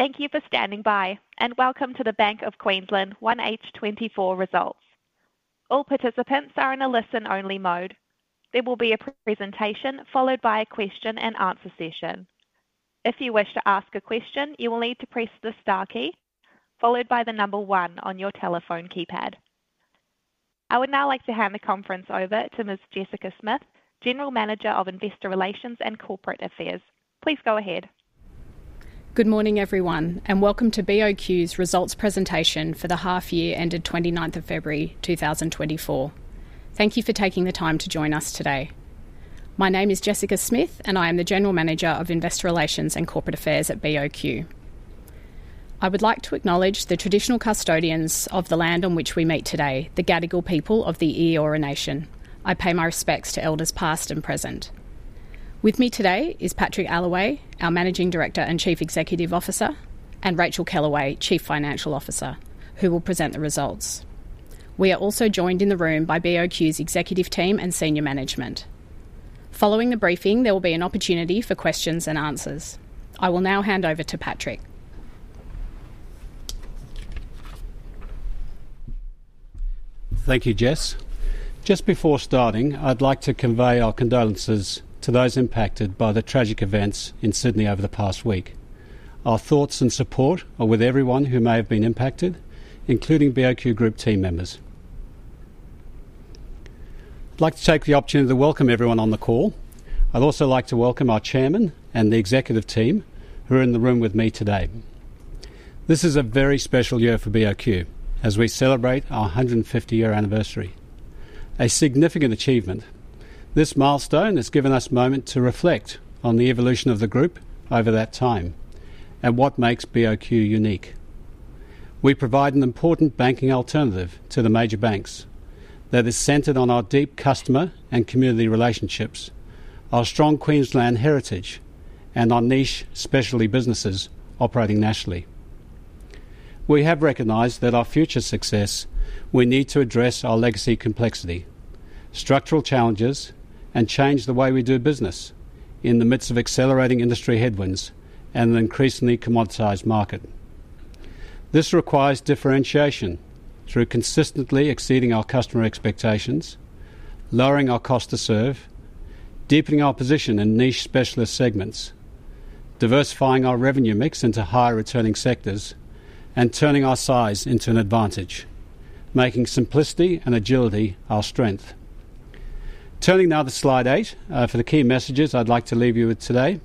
Thank you for standing by, and welcome to the Bank of Queensland 1H24 results. All participants are in a listen-only mode. There will be a presentation followed by a question-and-answer session. If you wish to ask a question, you will need to press the star key followed by the number one on your telephone keypad. I would now like to hand the conference over to Ms. Jessica Smith, General Manager of Investor Relations and Corporate Affairs. Please go ahead. Good morning, everyone, and welcome to BOQ's results presentation for the half-year ended February 29, 2024. Thank you for taking the time to join us today. My name is Jessica Smith, and I am the General Manager of Investor Relations and Corporate Affairs at BOQ. I would like to acknowledge the traditional custodians of the land on which we meet today, the Gadigal people of the Eora Nation. I pay my respects to elders past and present. With me today is Patrick Allaway, our Managing Director and Chief Executive Officer, and Racheal Kellaway, Chief Financial Officer, who will present the results. We are also joined in the room by BOQ's executive team and senior management. Following the briefing, there will be an opportunity for questions and answers. I will now hand over to Patrick. Thank you, Jess. Just before starting, I'd like to convey our condolences to those impacted by the tragic events in Sydney over the past week. Our thoughts and support are with everyone who may have been impacted, including BOQ Group team members. I'd like to take the opportunity to welcome everyone on the call. I'd also like to welcome our Chairman and the executive team who are in the room with me today. This is a very special year for BOQ as we celebrate our 150-year anniversary, a significant achievement. This milestone has given us a moment to reflect on the evolution of the group over that time and what makes BOQ unique. We provide an important banking alternative to the major banks that is centered on our deep customer and community relationships, our strong Queensland heritage, and our niche, specialty businesses operating nationally. We have recognized that our future success, we need to address our legacy complexity, structural challenges, and change the way we do business in the midst of accelerating industry headwinds and an increasingly commoditized market. This requires differentiation through consistently exceeding our customer expectations, lowering our cost to serve, deepening our position in niche specialist segments, diversifying our revenue mix into higher-returning sectors, and turning our size into an advantage, making simplicity and agility our strength. Turning now to slide eight for the key messages I'd like to leave you with today.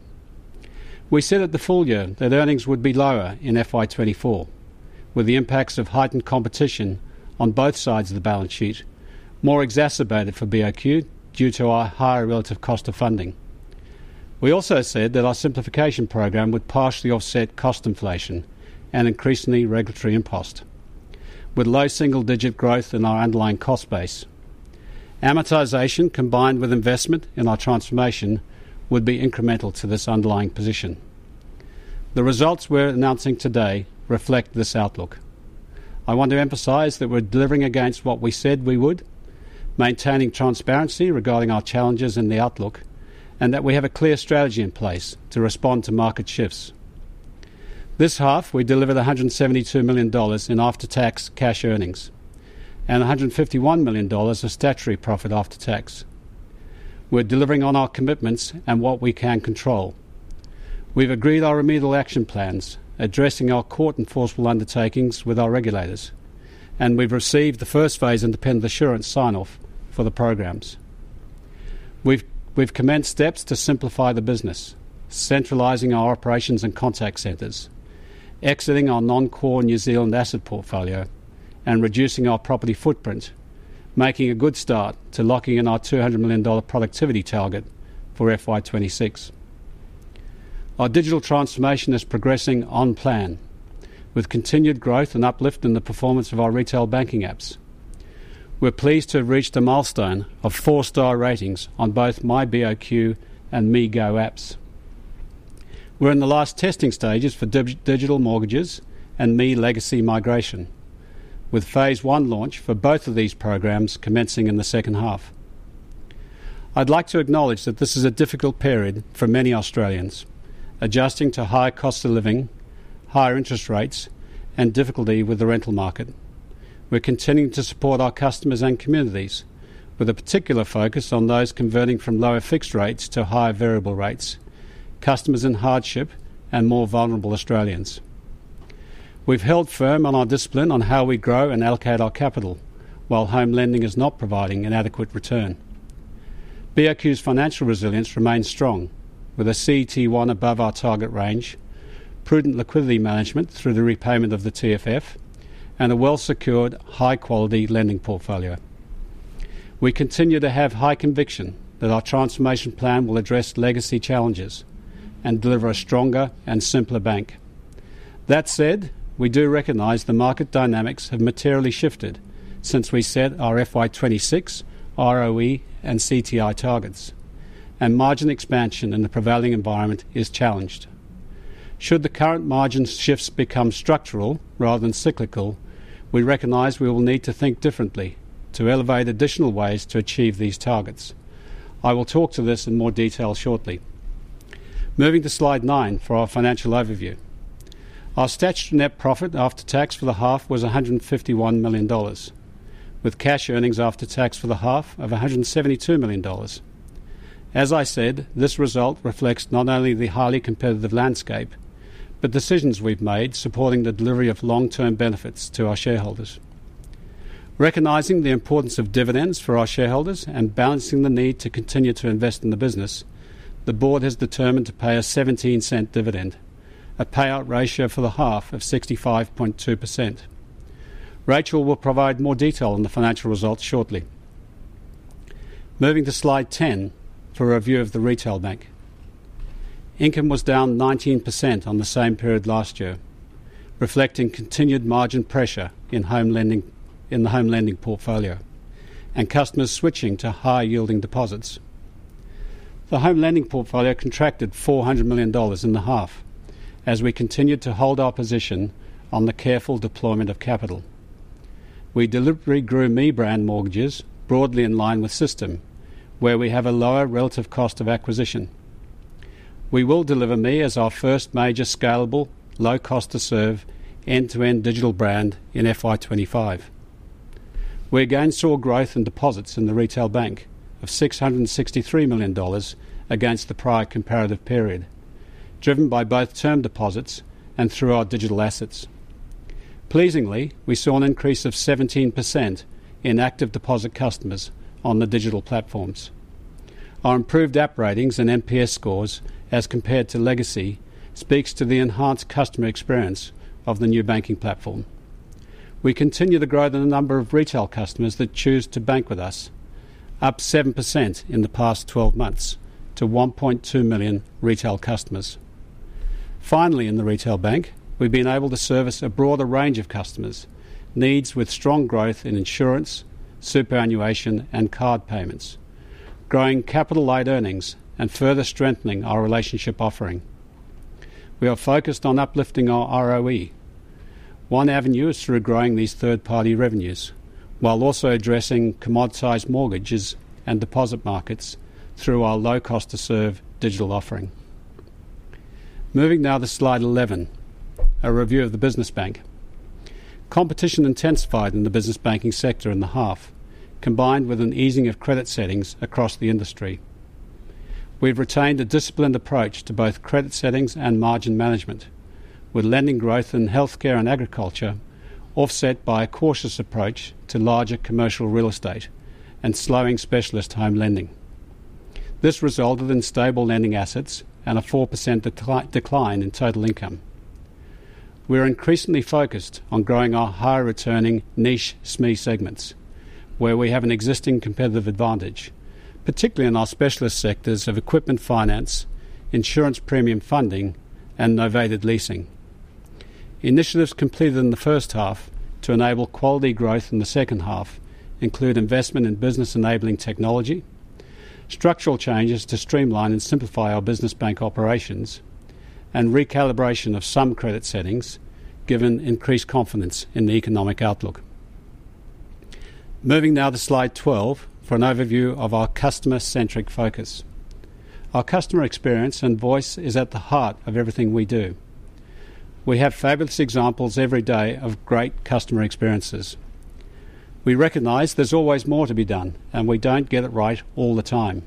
We said at the full year that earnings would be lower in FY2024, with the impacts of heightened competition on both sides of the balance sheet more exacerbated for BOQ due to our higher relative cost of funding. We also said that our simplification program would partially offset cost inflation and increasingly regulatory impost, with low single-digit growth in our underlying cost base. Amortization, combined with investment in our transformation, would be incremental to this underlying position. The results we're announcing today reflect this outlook. I want to emphasize that we're delivering against what we said we would, maintaining transparency regarding our challenges and the outlook, and that we have a clear strategy in place to respond to market shifts. This half, we delivered 172 million dollars in after-tax cash earnings and 151 million dollars of statutory profit after tax. We're delivering on our commitments and what we can control. We've agreed our remedial action plans, addressing our court-enforceable undertakings with our regulators, and we've received the first phase independent assurance sign-off for the programs. We've commenced steps to simplify the business, centralizing our operations and contact centers, exiting our non-core New Zealand asset portfolio, and reducing our property footprint, making a good start to locking in our 200 million dollar productivity target for FY26. Our digital transformation is progressing on plan, with continued growth and uplift in the performance of our retail banking apps. We're pleased to have reached a milestone of four-star ratings on both myBOQ and ME Go apps. We're in the last testing stages for digital mortgages and ME legacy migration, with phase 1 launch for both of these programs commencing in the second half. I'd like to acknowledge that this is a difficult period for many Australians, adjusting to higher cost of living, higher interest rates, and difficulty with the rental market. We're continuing to support our customers and communities, with a particular focus on those converting from lower fixed rates to higher variable rates, customers in hardship, and more vulnerable Australians. We've held firm on our discipline on how we grow and allocate our capital while home lending is not providing an adequate return. BOQ's financial resilience remains strong, with a CET1 above our target range, prudent liquidity management through the repayment of the TFF, and a well-secured, high-quality lending portfolio. We continue to have high conviction that our transformation plan will address legacy challenges and deliver a stronger and simpler bank. That said, we do recognize the market dynamics have materially shifted since we set our FY26 ROE and CTI targets, and margin expansion in the prevailing environment is challenged. Should the current margin shifts become structural rather than cyclical, we recognize we will need to think differently to elevate additional ways to achieve these targets. I will talk to this in more detail shortly. Moving to slide 9 for our financial overview. Our statutory net profit after tax for the half was 151 million dollars, with cash earnings after tax for the half of 172 million dollars. As I said, this result reflects not only the highly competitive landscape but decisions we've made supporting the delivery of long-term benefits to our shareholders. Recognizing the importance of dividends for our shareholders and balancing the need to continue to invest in the business, the board has determined to pay a 0.17 dividend, a payout ratio for the half of 65.2%. Racheal will provide more detail on the financial results shortly. Moving to slide 10 for a review of the retail bank. Income was down 19% on the same period last year, reflecting continued margin pressure in the home lending portfolio and customers switching to high-yielding deposits. The home lending portfolio contracted 400 million dollars in the half as we continued to hold our position on the careful deployment of capital. We deliberately grew ME brand mortgages broadly in line with system, where we have a lower relative cost of acquisition. We will deliver ME as our first major scalable, low-cost-to-serve, end-to-end digital brand in FY25. We again saw growth in deposits in the retail bank of 663 million dollars against the prior comparative period, driven by both term deposits and through our digital assets. Pleasingly, we saw an increase of 17% in active deposit customers on the digital platforms. Our improved app ratings and NPS scores as compared to legacy speak to the enhanced customer experience of the new banking platform. We continue to grow the number of retail customers that choose to bank with us, up 7% in the past 12 months to 1.2 million retail customers. Finally, in the retail bank, we've been able to service a broader range of customers' needs with strong growth in insurance, superannuation, and card payments, growing capital-led earnings and further strengthening our relationship offering. We are focused on uplifting our ROE, one avenue through growing these third-party revenues, while also addressing commoditized mortgages and deposit markets through our low-cost-to-serve digital offering. Moving now to slide 11, a review of the business bank. Competition intensified in the business banking sector in the half, combined with an easing of credit settings across the industry. We've retained a disciplined approach to both credit settings and margin management, with lending growth in healthcare and agriculture offset by a cautious approach to larger commercial real estate and slowing specialist home lending. This resulted in stable lending assets and a 4% decline in total income. We're increasingly focused on growing our higher-returning niche SME segments, where we have an existing competitive advantage, particularly in our specialist sectors of equipment finance, insurance premium funding, and novated leasing. Initiatives completed in the first half to enable quality growth in the second half include investment in business-enabling technology, structural changes to streamline and simplify our business bank operations, and recalibration of some credit settings, given increased confidence in the economic outlook. Moving now to slide 12 for an overview of our customer-centric focus. Our customer experience and voice is at the heart of everything we do. We have fabulous examples every day of great customer experiences. We recognize there's always more to be done, and we don't get it right all the time,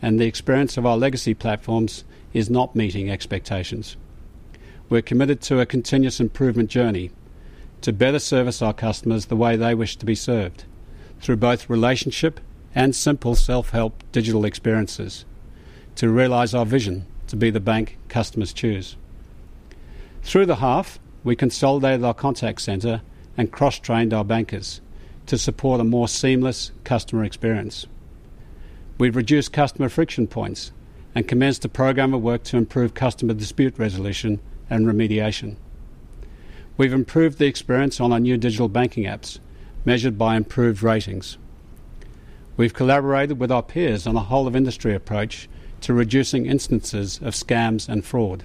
and the experience of our legacy platforms is not meeting expectations. We're committed to a continuous improvement journey to better service our customers the way they wish to be served, through both relationship and simple self-help digital experiences, to realize our vision to be the bank customers choose. Through the half, we consolidated our contact center and cross-trained our bankers to support a more seamless customer experience. We've reduced customer friction points and commenced to program our work to improve customer dispute resolution and remediation. We've improved the experience on our new digital banking apps, measured by improved ratings. We've collaborated with our peers on a whole-of-industry approach to reducing instances of scams and fraud,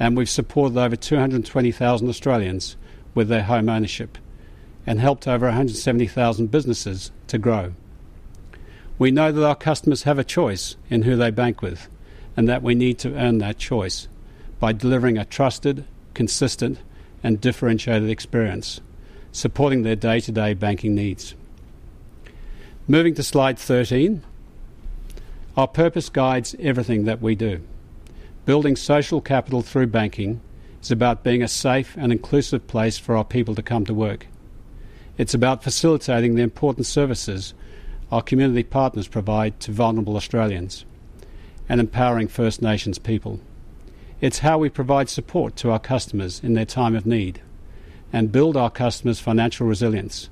and we've supported over 220,000 Australians with their home ownership and helped over 170,000 businesses to grow. We know that our customers have a choice in who they bank with and that we need to earn that choice by delivering a trusted, consistent, and differentiated experience, supporting their day-to-day banking needs. Moving to slide 13, our purpose guides everything that we do. Building social capital through banking is about being a safe and inclusive place for our people to come to work. It's about facilitating the important services our community partners provide to vulnerable Australians and empowering First Nations people. It's how we provide support to our customers in their time of need and build our customers' financial resilience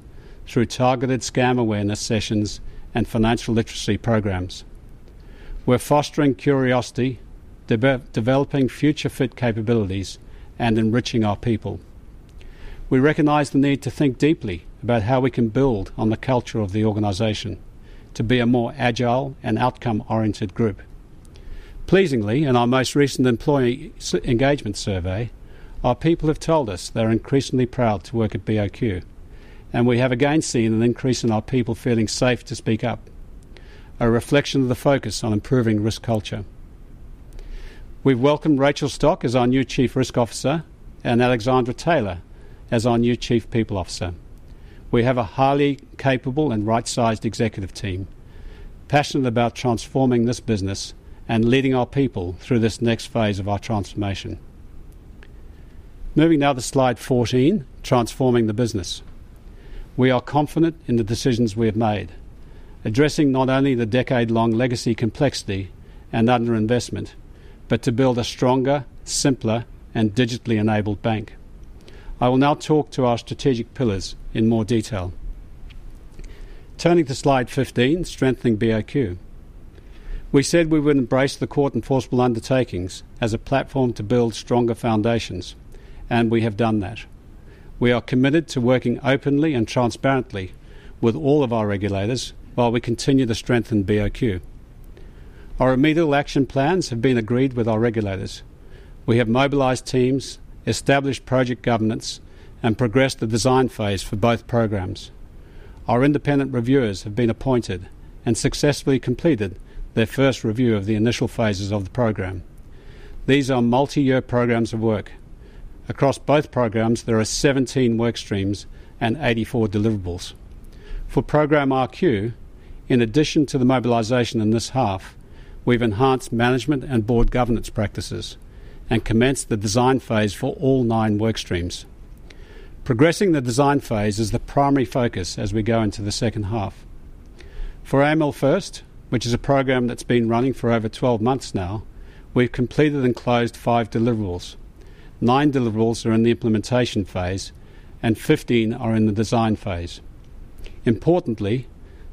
through targeted scam awareness sessions and financial literacy programs. We're fostering curiosity, developing future-fit capabilities, and enriching our people. We recognize the need to think deeply about how we can build on the culture of the organization to be a more agile and outcome-oriented group. Pleasingly, in our most recent employee engagement survey, our people have told us they're increasingly proud to work at BOQ, and we have again seen an increase in our people feeling safe to speak up, a reflection of the focus on improving risk culture. We've welcomed Rachel Stock as our new Chief Risk Officer and Alexandra Taylor as our new Chief People Officer. We have a highly capable and right-sized executive team, passionate about transforming this business and leading our people through this next phase of our transformation. Moving now to slide 14, transforming the business. We are confident in the decisions we have made, addressing not only the decade-long legacy complexity and underinvestment, but to build a stronger, simpler, and digitally enabled bank. I will now talk to our strategic pillars in more detail. Turning to slide 15, strengthening BOQ. We said we would embrace the court-enforceable undertakings as a platform to build stronger foundations, and we have done that. We are committed to working openly and transparently with all of our regulators while we continue to strengthen BOQ. Our remedial action plans have been agreed with our regulators. We have mobilized teams, established project governance, and progressed the design phase for both programs. Our independent reviewers have been appointed and successfully completed their first review of the initial phases of the program. These are multi-year programs of work. Across both programs, there are 17 workstreams and 84 deliverables. For Program rQ, in addition to the mobilisation in this half, we've enhanced management and board governance practices and commenced the design phase for all nine workstreams. Progressing the design phase is the primary focus as we go into the second half. For AML First, which is a program that's been running for over 12 months now, we've completed and closed five deliverables. Nine deliverables are in the implementation phase, and 15 are in the design phase. Importantly,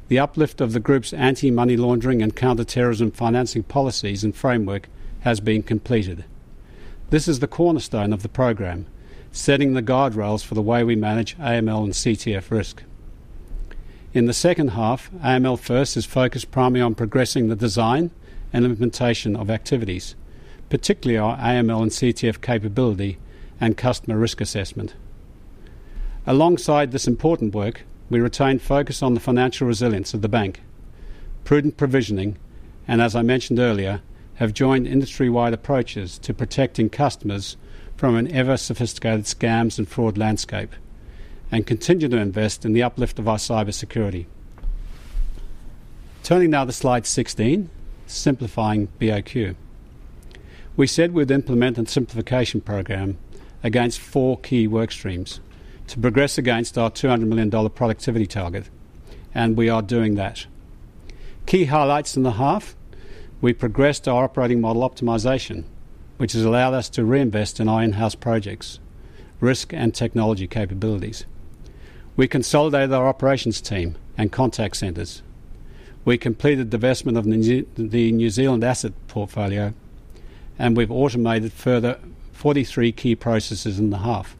the uplift of the group's anti-money laundering and counter-terrorism financing policies and framework has been completed. This is the cornerstone of the program, setting the guardrails for the way we manage AML and CTF risk. In the second half, AML First is focused primarily on progressing the design and implementation of activities, particularly our AML and CTF capability and customer risk assessment. Alongside this important work, we retained focus on the financial resilience of the bank. Prudent provisioning, and as I mentioned earlier, have joined industry-wide approaches to protecting customers from an ever-sophisticated scams and fraud landscape, and continue to invest in the uplift of our cybersecurity. Turning now to slide 16, simplifying BOQ. We said we would implement a simplification program against four key workstreams to progress against our 200 million dollar productivity target, and we are doing that. Key highlights in the half: we progressed our operating model optimization, which has allowed us to reinvest in our in-house projects, risk, and technology capabilities. We consolidated our operations team and contact centers. We completed the divestment of the New Zealand asset portfolio, and we've automated further 43 key processes in the half,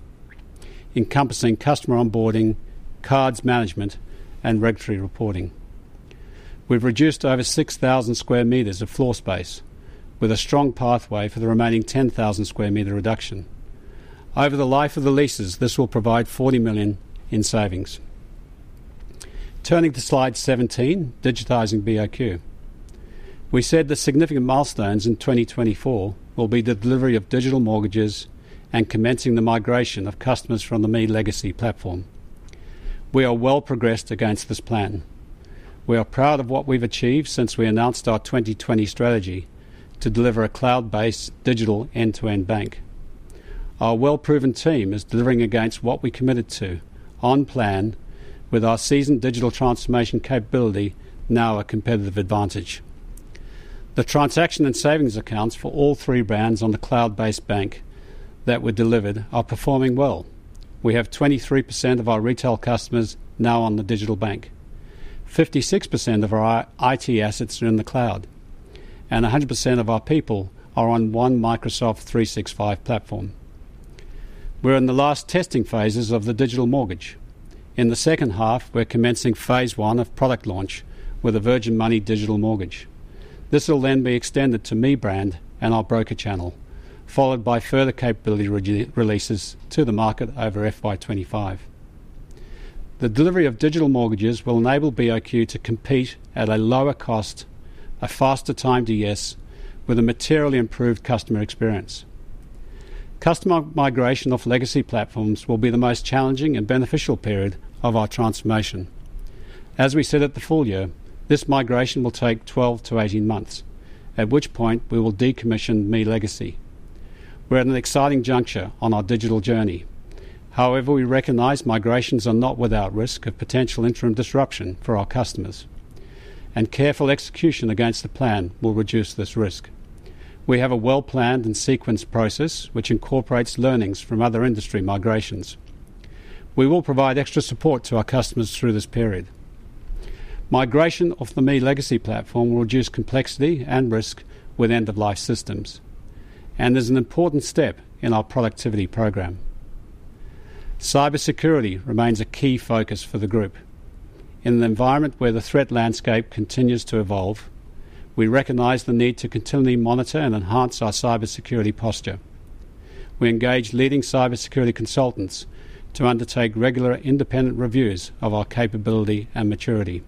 encompassing customer onboarding, cards management, and regulatory reporting. We've reduced over 6,000 sq m of floor space, with a strong pathway for the remaining 10,000 sq m reduction. Over the life of the leases, this will provide 40 million in savings. Turning to slide 17, Digitising BOQ. We said the significant milestones in 2024 will be the delivery of digital mortgages and commencing the migration of customers from the ME legacy platform. We are well-progressed against this plan. We are proud of what we've achieved since we announced our 2020 strategy to deliver a cloud-based, digital end-to-end bank. Our well-proven team is delivering against what we committed to, on plan, with our seasoned digital transformation capability now a competitive advantage. The transaction and savings accounts for all three brands on the cloud-based bank that were delivered are performing well. We have 23% of our retail customers now on the digital bank, 56% of our IT assets are in the cloud, and 100% of our people are on one Microsoft 365 platform. We're in the last testing phases of the digital mortgage. In the second half, we're commencing phase one of product launch with a Virgin Money digital mortgage. This will then be extended to ME brand and our broker channel, followed by further capability releases to the market over FY25. The delivery of digital mortgages will enable BOQ to compete at a lower cost, a faster time to yes, with a materially improved customer experience. Customer migration off legacy platforms will be the most challenging and beneficial period of our transformation. As we said at the full year, this migration will take 12 to 18 months, at which point we will decommission ME legacy. We're at an exciting juncture on our digital journey. However, we recognize migrations are not without risk of potential interim disruption for our customers, and careful execution against the plan will reduce this risk. We have a well-planned and sequenced process which incorporates learnings from other industry migrations. We will provide extra support to our customers through this period. Migration off the ME legacy platform will reduce complexity and risk with end-of-life systems, and is an important step in our productivity program. Cybersecurity remains a key focus for the group. In an environment where the threat landscape continues to evolve, we recognize the need to continually monitor and enhance our cybersecurity posture. We engage leading cybersecurity consultants to undertake regular independent reviews of our capability and maturity.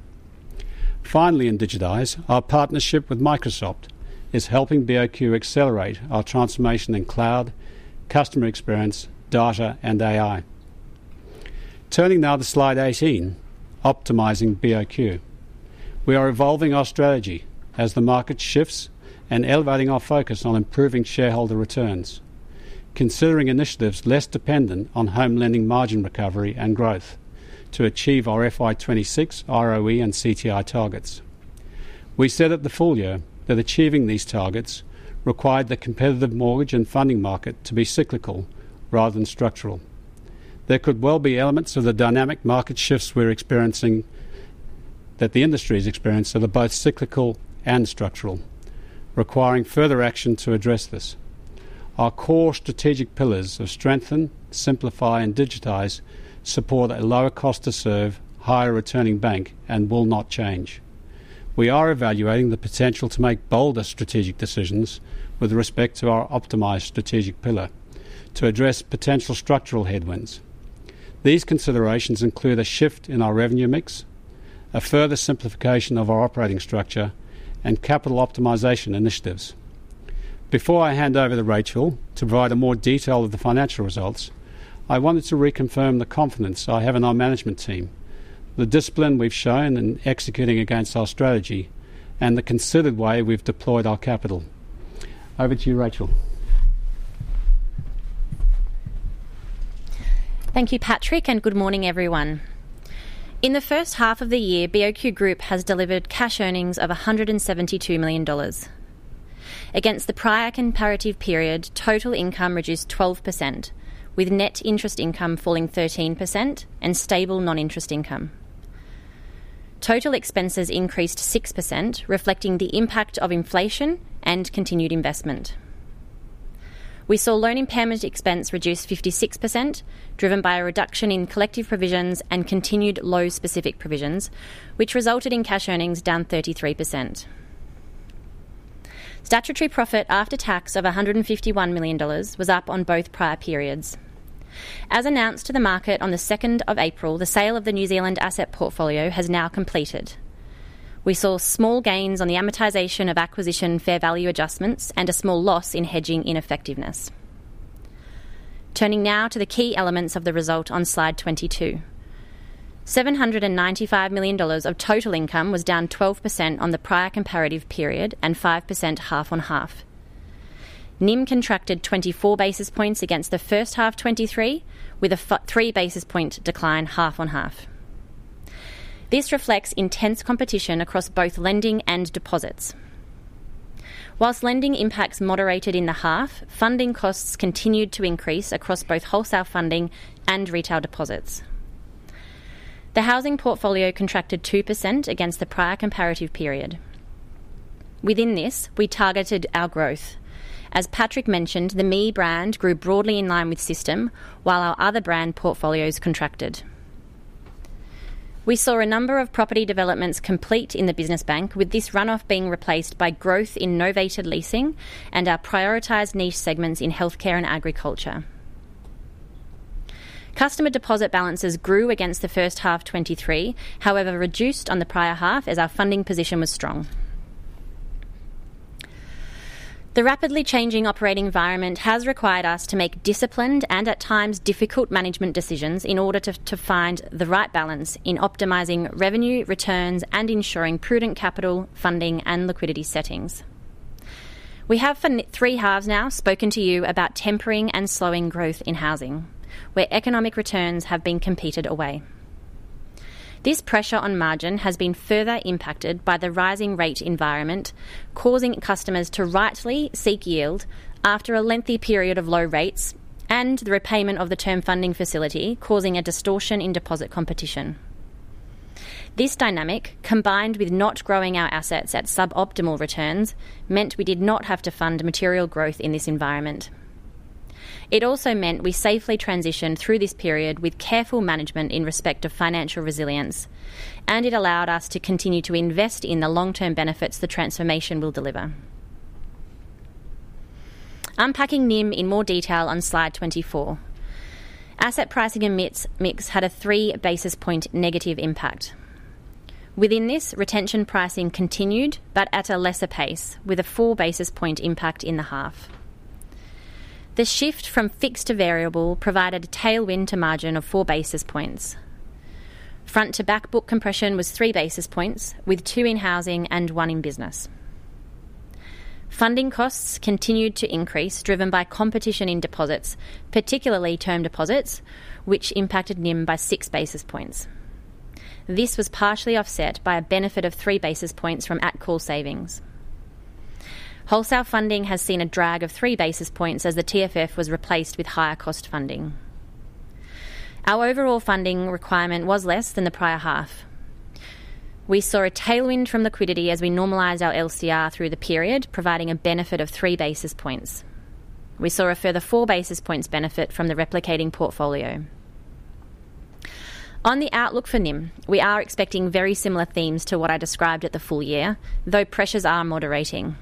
Finally, in Digitise, our partnership with Microsoft is helping BOQ accelerate our transformation in cloud, customer experience, data, and AI. Turning now to slide 18, Optimising BOQ. We are evolving our strategy as the market shifts and elevating our focus on improving shareholder returns, considering initiatives less dependent on home lending margin recovery and growth to achieve our FY26 ROE and CTI targets. We said at the full year that achieving these targets required the competitive mortgage and funding market to be cyclical rather than structural. There could well be elements of the dynamic market shifts we're experiencing that the industry is experiencing that are both cyclical and structural, requiring further action to address this. Our core strategic pillars of strengthen, simplify, and digitize support a lower cost to serve, higher returning bank and will not change. We are evaluating the potential to make bolder strategic decisions with respect to our optimized strategic pillar to address potential structural headwinds. These considerations include a shift in our revenue mix, a further simplification of our operating structure, and capital optimization initiatives. Before I hand over to Racheal to provide a more detail of the financial results, I wanted to reconfirm the confidence I have in our management team, the discipline we've shown in executing against our strategy, and the considered way we've deployed our capital. Over to you, Racheal. Thank you, Patrick, and good morning, everyone. In the first half of the year, BOQ Group has delivered cash earnings of 172 million dollars. Against the prior comparative period, total income reduced 12%, with net interest income falling 13% and stable non-interest income. Total expenses increased 6%, reflecting the impact of inflation and continued investment. We saw loan impairment expense reduce 56%, driven by a reduction in collective provisions and continued low-specific provisions, which resulted in cash earnings down 33%. Statutory profit after tax of 151 million dollars was up on both prior periods. As announced to the market on the 2nd of April, the sale of the New Zealand asset portfolio has now completed. We saw small gains on the amortisation of acquisition fair value adjustments and a small loss in hedging ineffectiveness. Turning now to the key elements of the result on slide 22. 795 million of total income was down 12% on the prior comparative period and 5% half-on-half. NIM contracted 24 basis points against the first half 2023, with a 3 basis points decline half-on-half. This reflects intense competition across both lending and deposits. While lending impacts moderated in the half, funding costs continued to increase across both wholesale funding and retail deposits. The housing portfolio contracted 2% against the prior comparative period. Within this, we targeted our growth. As Patrick mentioned, the ME brand grew broadly in line with system, while our other brand portfolios contracted. We saw a number of property developments complete in the business bank, with this run-off being replaced by growth in novated leasing and our prioritized niche segments in healthcare and agriculture. Customer deposit balances grew against the first half 2023, however reduced on the prior half as our funding position was strong. The rapidly changing operating environment has required us to make disciplined and at times difficult management decisions in order to find the right balance in optimizing revenue, returns, and ensuring prudent capital, funding, and liquidity settings. We have for three halves now spoken to you about tempering and slowing growth in housing, where economic returns have been competed away. This pressure on margin has been further impacted by the rising rate environment, causing customers to rightly seek yield after a lengthy period of low rates and the repayment of the Term Funding Facility, causing a distortion in deposit competition. This dynamic, combined with not growing our assets at suboptimal returns, meant we did not have to fund material growth in this environment. It also meant we safely transitioned through this period with careful management in respect of financial resilience, and it allowed us to continue to invest in the long-term benefits the transformation will deliver. Unpacking NIM in more detail on slide 24. Asset pricing mix had a three basis point negative impact. Within this, retention pricing continued but at a lesser pace, with a four basis point impact in the half. The shift from fixed to variable provided a tailwind to margin of four basis points. Front-to-back book compression was three basis points, with two in housing and one in business. Funding costs continued to increase, driven by competition in deposits, particularly term deposits, which impacted NIM by six basis points. This was partially offset by a benefit of three basis points from at-call savings. Wholesale funding has seen a drag of three basis points as the TFF was replaced with higher cost funding. Our overall funding requirement was less than the prior half. We saw a tailwind from liquidity as we normalized our LCR through the period, providing a benefit of three basis points. We saw a further four basis points benefit from the replicating portfolio. On the outlook for NIM, we are expecting very similar themes to what I described at the full year, though pressures are moderating.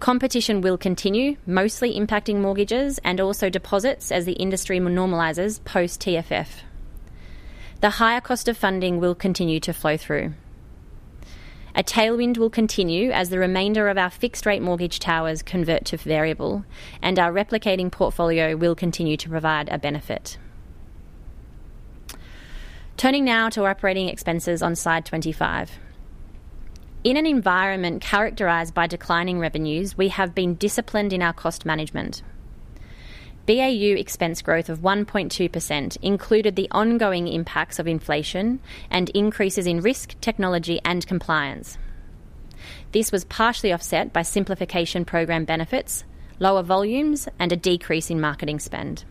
Competition will continue, mostly impacting mortgages and also deposits as the industry normalizes post-TFF. The higher cost of funding will continue to flow through. A tailwind will continue as the remainder of our fixed-rate mortgage towers convert to variable, and our replicating portfolio will continue to provide a benefit. Turning now to operating expenses on slide 25. In an environment characterized by declining revenues, we have been disciplined in our cost management. BAU expense growth of 1.2% included the ongoing impacts of inflation and increases in risk, technology, and compliance. This was partially offset by simplification program benefits, lower volumes, and a decrease in marketing spend.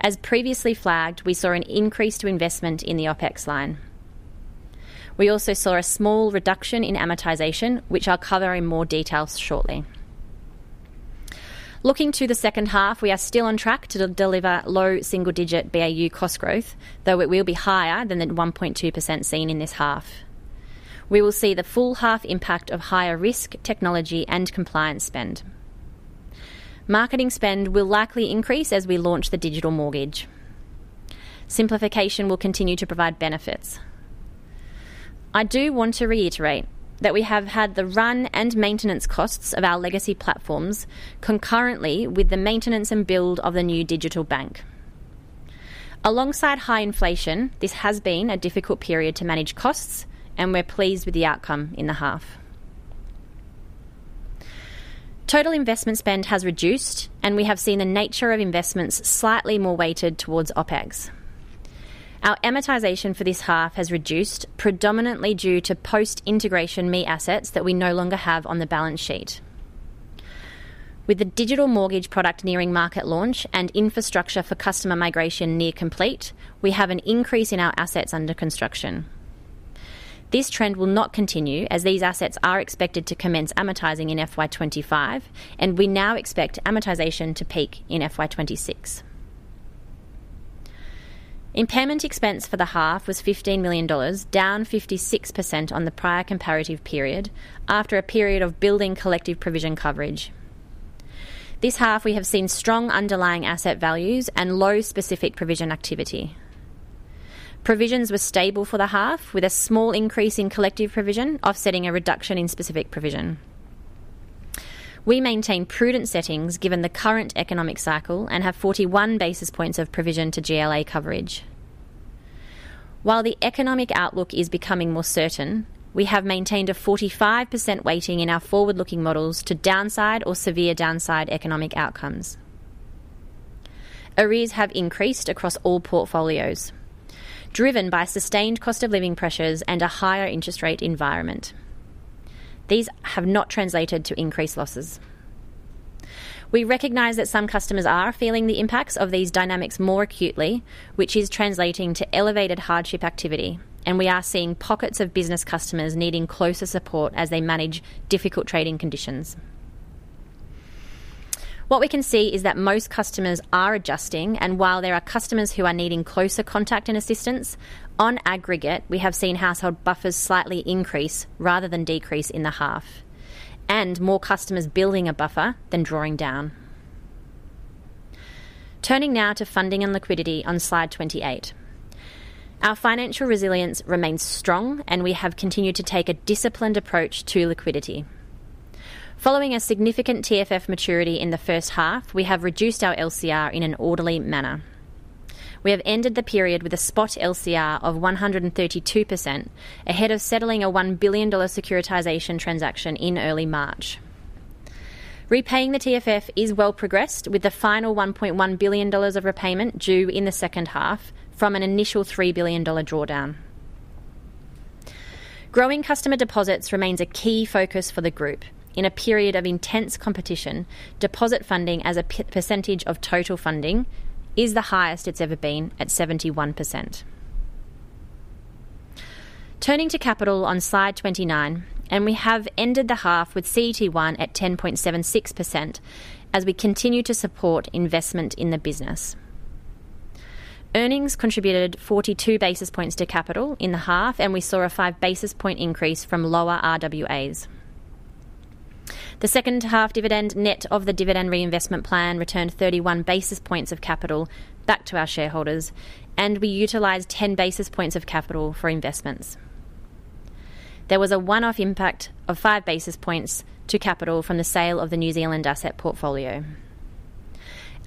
As previously flagged, we saw an increase to investment in the OPEX line. We also saw a small reduction in amortization, which I'll cover in more detail shortly. Looking to the second half, we are still on track to deliver low single-digit BAU cost growth, though it will be higher than the 1.2% seen in this half. We will see the full half impact of higher risk, technology, and compliance spend. Marketing spend will likely increase as we launch the digital mortgage. Simplification will continue to provide benefits. I do want to reiterate that we have had the run and maintenance costs of our legacy platforms concurrently with the maintenance and build of the new digital bank. Alongside high inflation, this has been a difficult period to manage costs, and we're pleased with the outcome in the half. Total investment spend has reduced, and we have seen the nature of investments slightly more weighted towards OpEx. Our amortization for this half has reduced, predominantly due to post-integration ME assets that we no longer have on the balance sheet. With the digital mortgage product nearing market launch and infrastructure for customer migration near complete, we have an increase in our assets under construction. This trend will not continue as these assets are expected to commence amortizing in FY25, and we now expect amortization to peak in FY26. Impairment expense for the half was 15 million dollars, down 56% on the prior comparative period after a period of building collective provision coverage. This half, we have seen strong underlying asset values and low specific provision activity. Provisions were stable for the half, with a small increase in collective provision offsetting a reduction in specific provision. We maintain prudent settings given the current economic cycle and have 41 basis points of provision to GLA coverage. While the economic outlook is becoming more certain, we have maintained a 45% weighting in our forward-looking models to downside or severe downside economic outcomes. Arrears have increased across all portfolios, driven by sustained cost-of-living pressures and a higher interest rate environment. These have not translated to increased losses. We recognize that some customers are feeling the impacts of these dynamics more acutely, which is translating to elevated hardship activity, and we are seeing pockets of business customers needing closer support as they manage difficult trading conditions. What we can see is that most customers are adjusting, and while there are customers who are needing closer contact and assistance, on aggregate, we have seen household buffers slightly increase rather than decrease in the half, and more customers building a buffer than drawing down. Turning now to funding and liquidity on slide 28. Our financial resilience remains strong, and we have continued to take a disciplined approach to liquidity. Following a significant TFF maturity in the first half, we have reduced our LCR in an orderly manner. We have ended the period with a spot LCR of 132% ahead of settling an 1 billion dollar securitization transaction in early March. Repaying the TFF is well progressed, with the final 1.1 billion dollars of repayment due in the second half from an initial 3 billion dollar drawdown. Growing customer deposits remains a key focus for the group. In a period of intense competition, deposit funding as a percentage of total funding is the highest it's ever been at 71%. Turning to capital on slide 29, and we have ended the half with CET1 at 10.76% as we continue to support investment in the business. Earnings contributed 42 basis points to capital in the half, and we saw a 5 basis point increase from lower RWAs. The second half dividend net of the dividend reinvestment plan returned 31 basis points of capital back to our shareholders, and we utilized 10 basis points of capital for investments. There was a one-off impact of 5 basis points to capital from the sale of the New Zealand asset portfolio.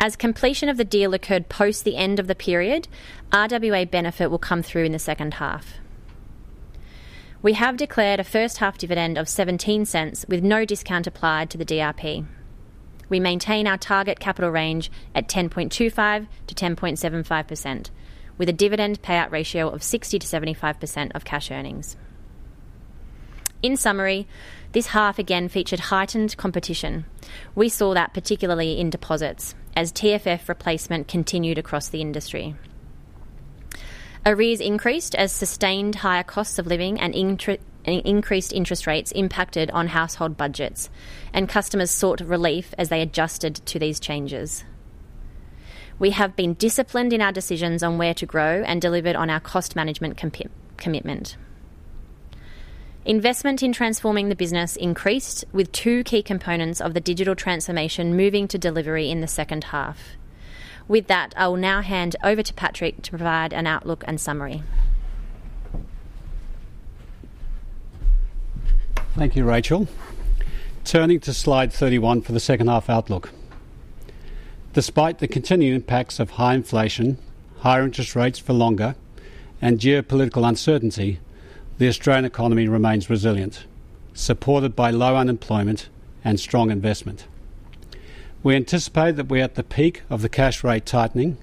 As completion of the deal occurred post the end of the period, RWA benefit will come through in the second half. We have declared a first half dividend of 0.17 with no discount applied to the DRP. We maintain our target capital range at 10.25% to 10.75%, with a dividend payout ratio of 60% to 75% of cash earnings. In summary, this half again featured heightened competition. We saw that particularly in deposits as TFF replacement continued across the industry. Arrears increased as sustained higher costs of living and increased interest rates impacted on household budgets, and customers sought relief as they adjusted to these changes. We have been disciplined in our decisions on where to grow and delivered on our cost management commitment. Investment in transforming the business increased, with two key components of the digital transformation moving to delivery in the second half. With that, I will now hand over to Patrick to provide an outlook and summary. Thank you, Racheal. Turning to slide 31 for the second half outlook. Despite the continued impacts of high inflation, higher interest rates for longer, and geopolitical uncertainty, the Australian economy remains resilient, supported by low unemployment and strong investment. We anticipate that we're at the peak of the cash rate tightening,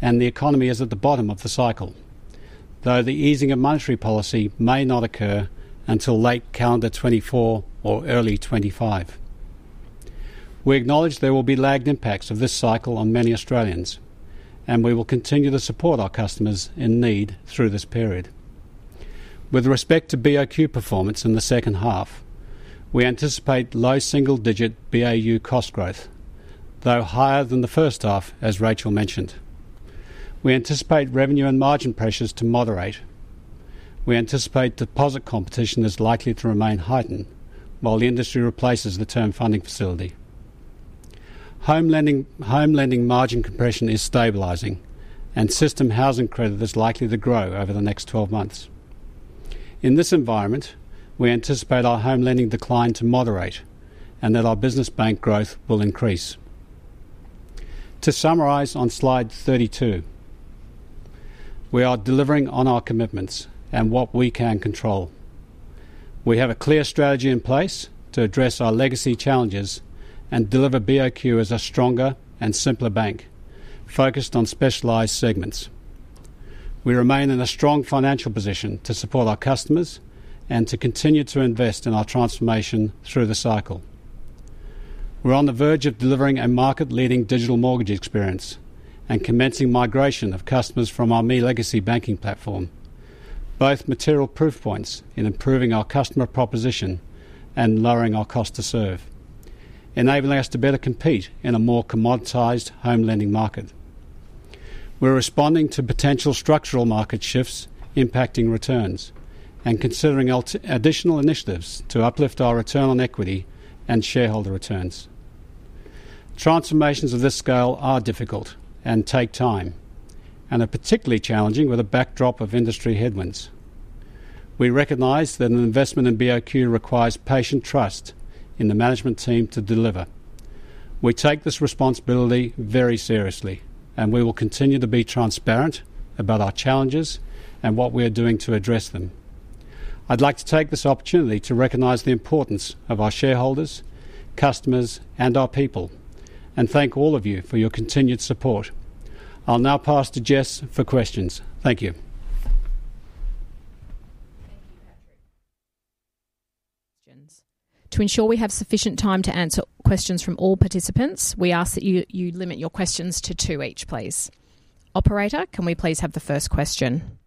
and the economy is at the bottom of the cycle, though the easing of monetary policy may not occur until late calendar 2024 or early 2025. We acknowledge there will be lagged impacts of this cycle on many Australians, and we will continue to support our customers in need through this period. With respect to BOQ performance in the second half, we anticipate low single-digit BAU cost growth, though higher than the first half, as Racheal mentioned. We anticipate revenue and margin pressures to moderate. We anticipate deposit competition is likely to remain heightened while the industry repays Term Funding Facility. home lending margin compression is stabilizing, and system housing credit is likely to grow over the next 12 months. In this environment, we anticipate our home lending decline to moderate and that our business bank growth will increase. To summarize on slide 32. We are delivering on our commitments and what we can control. We have a clear strategy in place to address our legacy challenges and deliver BOQ as a stronger and simpler bank focused on specialised segments. We remain in a strong financial position to support our customers and to continue to invest in our transformation through the cycle. We're on the verge of delivering a market-leading digital mortgage experience and commencing migration of customers from our ME legacy banking platform, both material proof points in improving our customer proposition and lowering our cost to serve, enabling us to better compete in a more commoditized, home lending market. We're responding to potential structural market shifts impacting returns and considering additional initiatives to uplift our return on equity and shareholder returns. Transformations of this scale are difficult and take time, and are particularly challenging with a backdrop of industry headwinds. We recognize that an investment in BOQ requires patient trust in the management team to deliver. We take this responsibility very seriously, and we will continue to be transparent about our challenges and what we are doing to address them. I'd like to take this opportunity to recognize the importance of our shareholders, customers, and our people, and thank all of you for your continued support. I'll now pass to Jess for questions. Thank you. Thank you, Patrick. To ensure we have sufficient time to answer questions from all participants, we ask that you limit your questions to two each, please. Operator, can we please have the first question?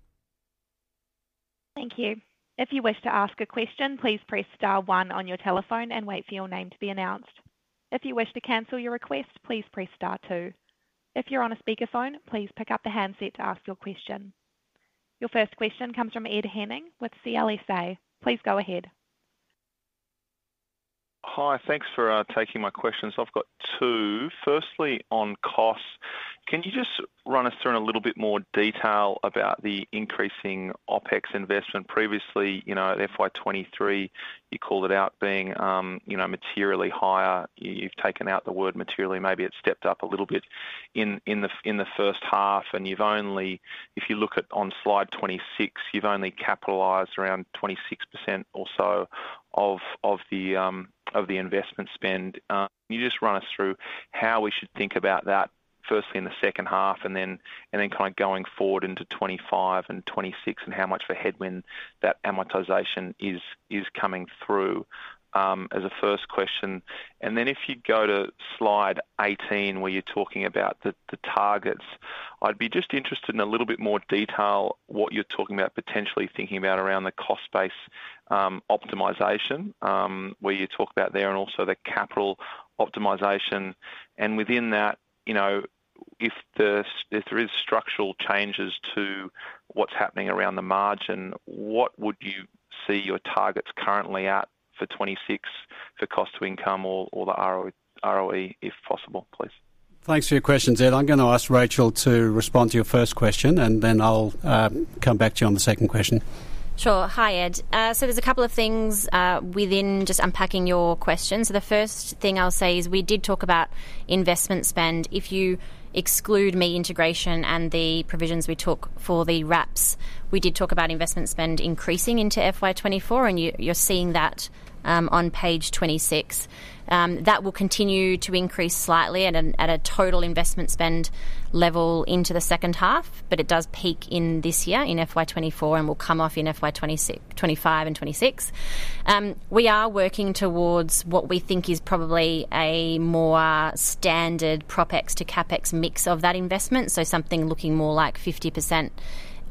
Thank you. If you wish to ask a question, please press star one on your telephone and wait for your name to be announced. If you wish to cancel your request, please press star two. If you're on a speakerphone, please pick up the handset to ask your question. Your first question comes from Ed Henning with CLSA. Please go ahead. Hi. Thanks for taking my questions. I've got two. Firstly, on costs. Can you just run us through in a little bit more detail about the increasing OpEx investment? Previously, at FY 2023, you called it out being materially higher. You've taken out the word materially. Maybe it stepped up a little bit in the first half, and if you look at slide 26, you've only capitalized around 26% or so of the investment spend. Can you just run us through how we should think about that, firstly, in the second half, and then kind of going forward into 2025 and 2026 and how much of a headwind that amortization is coming through as a first question? Then if you go to slide 18, where you're talking about the targets, I'd be just interested in a little bit more detail what you're talking about, potentially thinking about around the cost-based optimization where you talk about there and also the capital optimization. Within that, if there are structural changes to what's happening around the margin, what would you see your targets currently at for 2026 for cost to income or the ROE, if possible, please? Thanks for your questions, Ed. I'm going to ask Racheal to respond to your first question, and then I'll come back to you on the second question. Sure. Hi, Ed. So there's a couple of things within just unpacking your question. So the first thing I'll say is we did talk about investment spend. If you exclude ME integration and the provisions we took for the RAPs, we did talk about investment spend increasing into FY2024, and you're seeing that on page 26. That will continue to increase slightly at a total investment spend level into the second half, but it does peak in this year in FY2024 and will come off in FY2025 and 2026. We are working towards what we think is probably a more standard PropEx to CapEx mix of that investment, so something looking more like 50%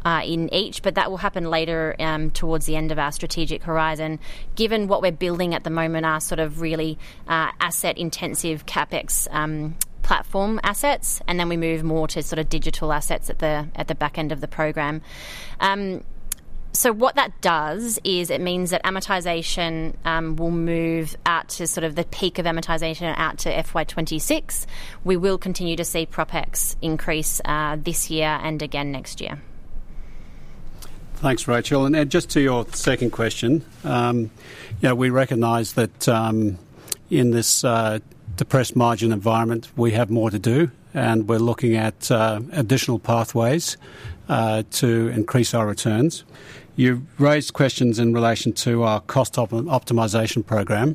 in each, but that will happen later towards the end of our strategic horizon, given what we're building at the moment are sort of really asset-intensive CapEx platform assets, and then we move more to sort of digital assets at the back end of the program. So what that does is it means that amortization will move out to sort of the peak of amortization out to FY26. We will continue to see PropEx increase this year and again next year. Thanks, Racheal. Just to your second question, we recognize that in this depressed margin environment, we have more to do, and we're looking at additional pathways to increase our returns. You raised questions in relation to our cost optimization program.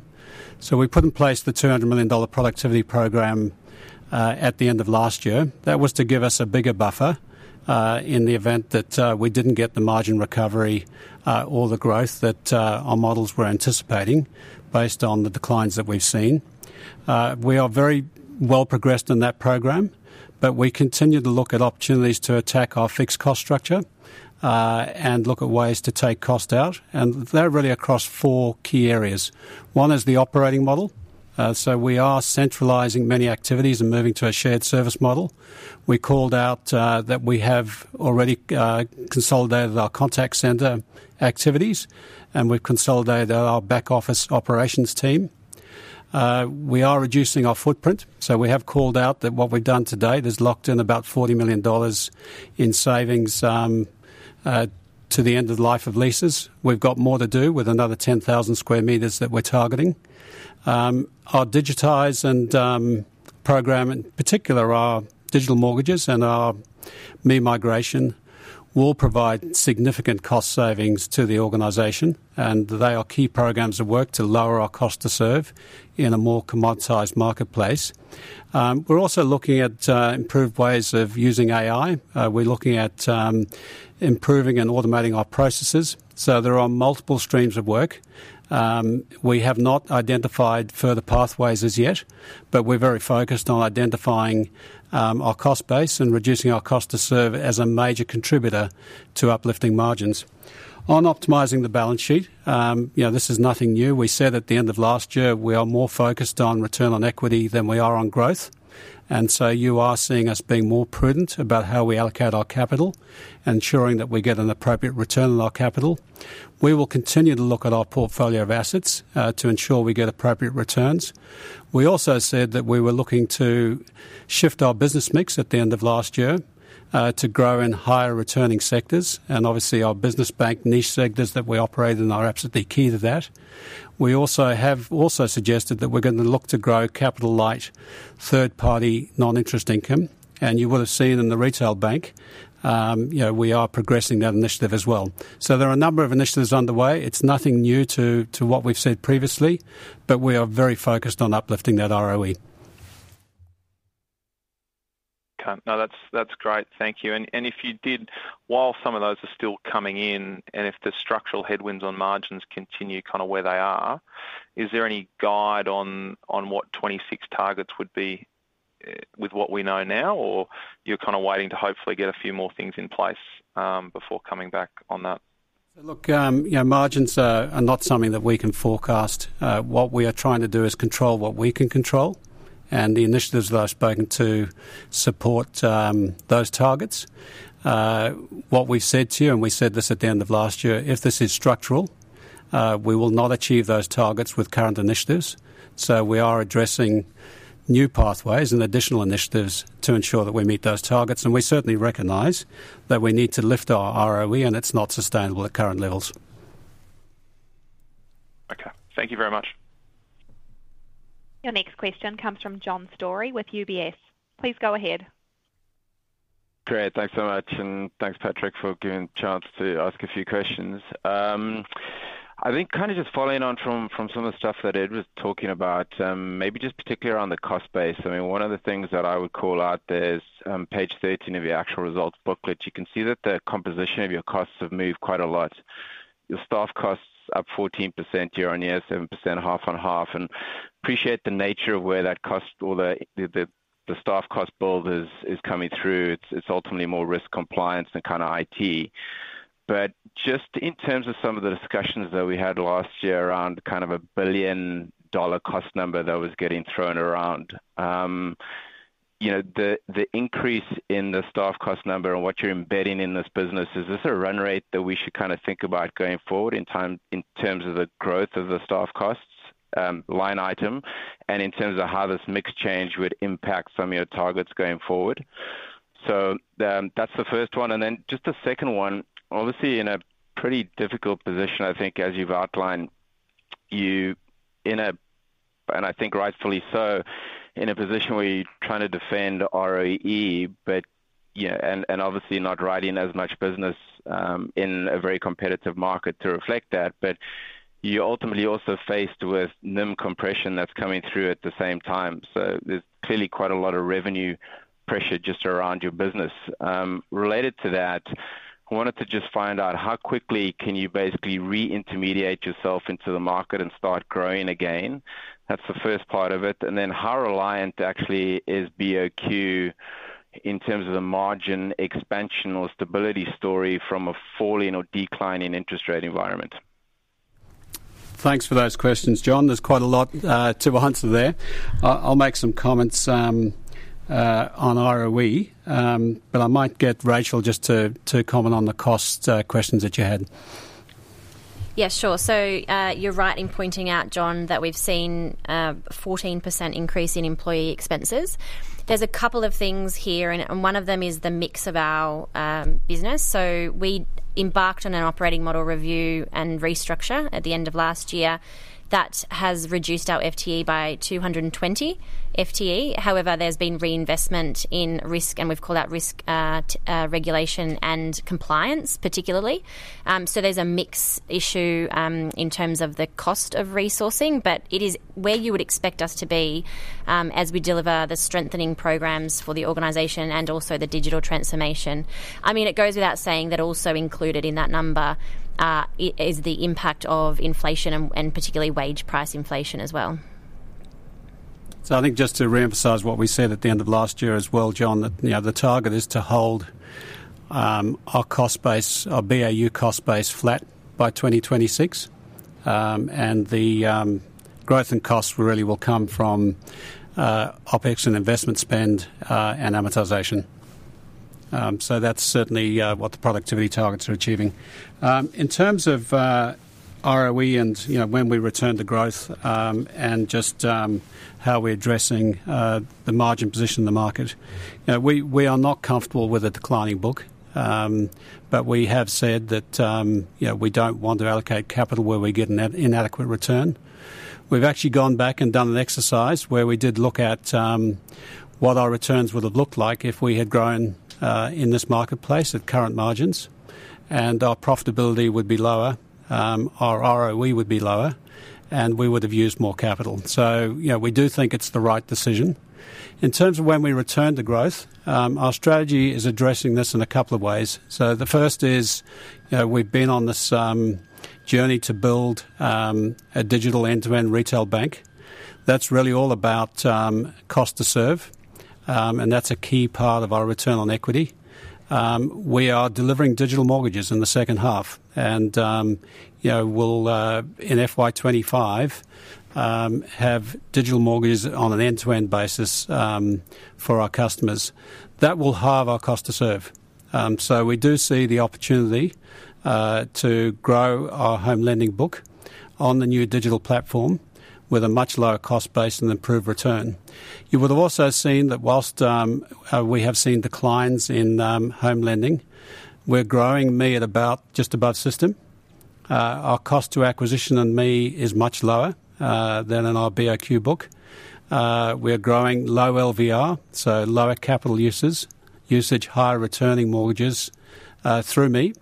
We put in place the 200 million dollar productivity program at the end of last year. That was to give us a bigger buffer in the event that we didn't get the margin recovery or the growth that our models were anticipating based on the declines that we've seen. We are very well progressed in that program, but we continue to look at opportunities to attack our fixed cost structure and look at ways to take cost out. They're really across four key areas. One is the operating model. We are centralizing many activities and moving to a shared service model. We called out that we have already consolidated our contact centre activities, and we've consolidated our back office operations team. We are reducing our footprint. So we have called out that what we've done today, there's locked in about 40 million dollars in savings to the end of the life of leases. We've got more to do with another 10,000 square meters that we're targeting. Our digitizing program, in particular, our digital mortgages and our ME migration, will provide significant cost savings to the organization, and they are key programs of work to lower our cost to serve in a more commoditizing marketplace. We're also looking at improved ways of using AI. We're looking at improving and automating our processes. So there are multiple streams of work. We have not identified further pathways as yet, but we're very focused on identifying our cost base and reducing our cost to serve as a major contributor to uplifting margins. On optimizing the balance sheet, this is nothing new. We said at the end of last year we are more focused on return on equity than we are on growth. And so you are seeing us being more prudent about how we allocate our capital and ensuring that we get an appropriate return on our capital. We will continue to look at our portfolio of assets to ensure we get appropriate returns. We also said that we were looking to shift our business mix at the end of last year to grow in higher-returning sectors, and obviously, our business bank niche sectors that we operate in are absolutely key to that. We also have suggested that we're going to look to grow capital-light, third-party non-interest income. You would have seen in the retail bank, we are progressing that initiative as well. So there are a number of initiatives underway. It's nothing new to what we've said previously, but we are very focused on uplifting that ROE. Okay. No, that's great. Thank you. And if you did, while some of those are still coming in and if the structural headwinds on margins continue kind of where they are, is there any guide on what 2026 targets would be with what we know now, or you're kind of waiting to hopefully get a few more things in place before coming back on that? So look, margins are not something that we can forecast. What we are trying to do is control what we can control, and the initiatives that I've spoken to support those targets. What we've said to you, and we said this at the end of last year, if this is structural, we will not achieve those targets with current initiatives. So we are addressing new pathways and additional initiatives to ensure that we meet those targets. And we certainly recognize that we need to lift our ROE, and it's not sustainable at current levels. Okay. Thank you very much. Your next question comes from John Storey with UBS. Please go ahead. Great. Thanks so much. Thanks, Patrick, for giving the chance to ask a few questions. I think kind of just following on from some of the stuff that Ed was talking about, maybe just particularly around the cost base. I mean, one of the things that I would call out there's page 13 of your actual results booklet. You can see that the composition of your costs have moved quite a lot. Your staff costs up 14% year-over-year, 7% half-on-half. I appreciate the nature of where that cost or the staff cost bill is coming through. It's ultimately more risk compliance and kind of IT. But just in terms of some of the discussions that we had last year around kind of a billion-dollar cost number that was getting thrown around, the increase in the staff cost number and what you're embedding in this business, is this a run rate that we should kind of think about going forward in terms of the growth of the staff costs line item and in terms of how this mix change would impact some of your targets going forward? So that's the first one. And then just the second one, obviously, in a pretty difficult position, I think, as you've outlined, and I think rightfully so, in a position where you're trying to defend ROE but and obviously not riding as much business in a very competitive market to reflect that, but you're ultimately also faced with NIM compression that's coming through at the same time. So there's clearly quite a lot of revenue pressure just around your business. Related to that, I wanted to just find out how quickly can you basically reintermediate yourself into the market and start growing again? That's the first part of it. And then how reliant actually is BOQ in terms of the margin expansion or stability story from a falling or declining interest rate environment? Thanks for those questions, John. There's quite a lot to be answered there. I'll make some comments on ROE, but I might get Racheal just to comment on the cost questions that you had. Yeah. Sure. So you're right in pointing out, John, that we've seen a 14% increase in employee expenses. There's a couple of things here, and one of them is the mix of our business. So we embarked on an operating model review and restructure at the end of last year that has reduced our FTE by 220 FTE. However, there's been reinvestment in risk, and we've called that risk regulation and compliance, particularly. So there's a mix issue in terms of the cost of resourcing, but it is where you would expect us to be as we deliver the strengthening programs for the organization and also the digital transformation. I mean, it goes without saying that also included in that number is the impact of inflation and particularly wage-price inflation as well. So I think just to reemphasize what we said at the end of last year as well, John, the target is to hold our BAU cost base flat by 2026, and the growth and costs really will come from OpEx and investment spend and amortization. So that's certainly what the productivity targets are achieving. In terms of ROE and when we return to growth and just how we're addressing the margin position in the market, we are not comfortable with a declining book, but we have said that we don't want to allocate capital where we get an inadequate return. We've actually gone back and done an exercise where we did look at what our returns would have looked like if we had grown in this marketplace at current margins, and our profitability would be lower, our ROE would be lower, and we would have used more capital. So we do think it's the right decision. In terms of when we return to growth, our strategy is addressing this in a couple of ways. So the first is we've been on this journey to build a digital end-to-end retail bank. That's really all about cost to serve, and that's a key part of our return on equity. We are delivering digital mortgages in the second half and will, in FY25, have digital mortgages on an end-to-end basis for our customers. That will halve our cost to serve. So we do see the opportunity to grow our home lending book on the new digital platform with a much lower cost base and improved return. You would have also seen that whilst we have seen declines in home lending, we're growing ME at just above system. Our cost to acquisition in ME is much lower than in our BOQ book. We're growing low LVR, so lower capital usage, higher returning mortgages through ME.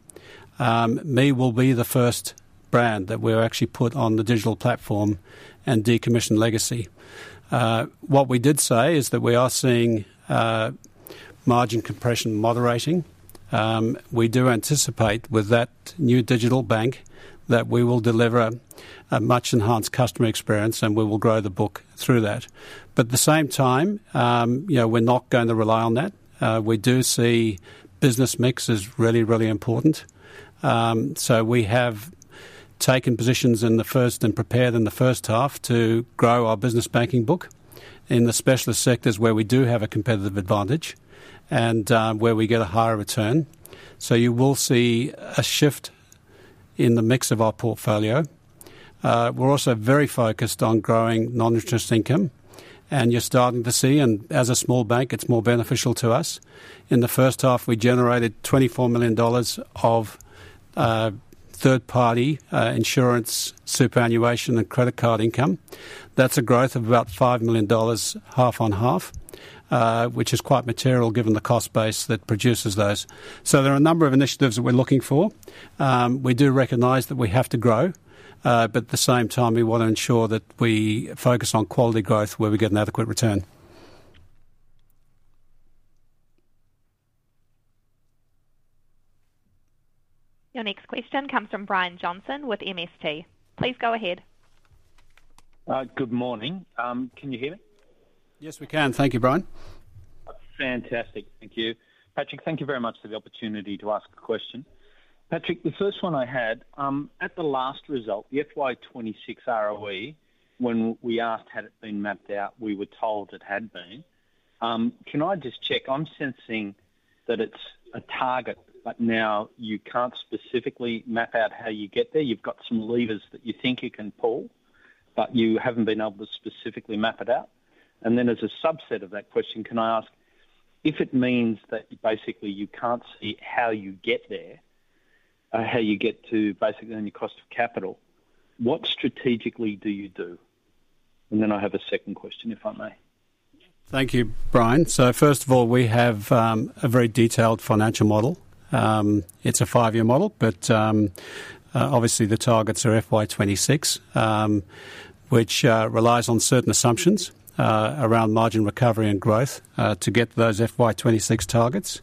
ME will be the first brand that we're actually put on the digital platform and decommission legacy. What we did say is that we are seeing margin compression moderating. We do anticipate with that new digital bank that we will deliver a much enhanced customer experience, and we will grow the book through that. But at the same time, we're not going to rely on that. We do see business mix is really, really important. So we have taken positions in the first and prepared in the first half to grow our business banking book in the specialist sectors where we do have a competitive advantage and where we get a higher return. So you will see a shift in the mix of our portfolio. We're also very focused on growing non-interest income, and you're starting to see, and as a small bank, it's more beneficial to us. In the first half, we generated 24 million dollars of third-party insurance superannuation and credit card income. That's a growth of about 5 million dollars half on half, which is quite material given the cost base that produces those. So there are a number of initiatives that we're looking for. We do recognize that we have to grow, but at the same time, we want to ensure that we focus on quality growth where we get an adequate return. Your next question comes from Brian Johnson with MST. Please go ahead. Good morning. Can you hear me? Yes, we can. Thank you, Brian. Fantastic. Thank you. Patrick, thank you very much for the opportunity to ask a question. Patrick, the first one I had, at the last result, the FY26 ROE, when we asked had it been mapped out, we were told it had been. Can I just check? I'm sensing that it's a target, but now you can't specifically map out how you get there. You've got some levers that you think you can pull, but you haven't been able to specifically map it out. And then as a subset of that question, can I ask, if it means that basically you can't see how you get there, how you get to basically on your cost of capital, what strategically do you do? And then I have a second question, if I may. Thank you, Brian. So first of all, we have a very detailed financial model. It's a five-year model, but obviously, the targets are FY26, which relies on certain assumptions around margin recovery and growth to get to those FY26 targets.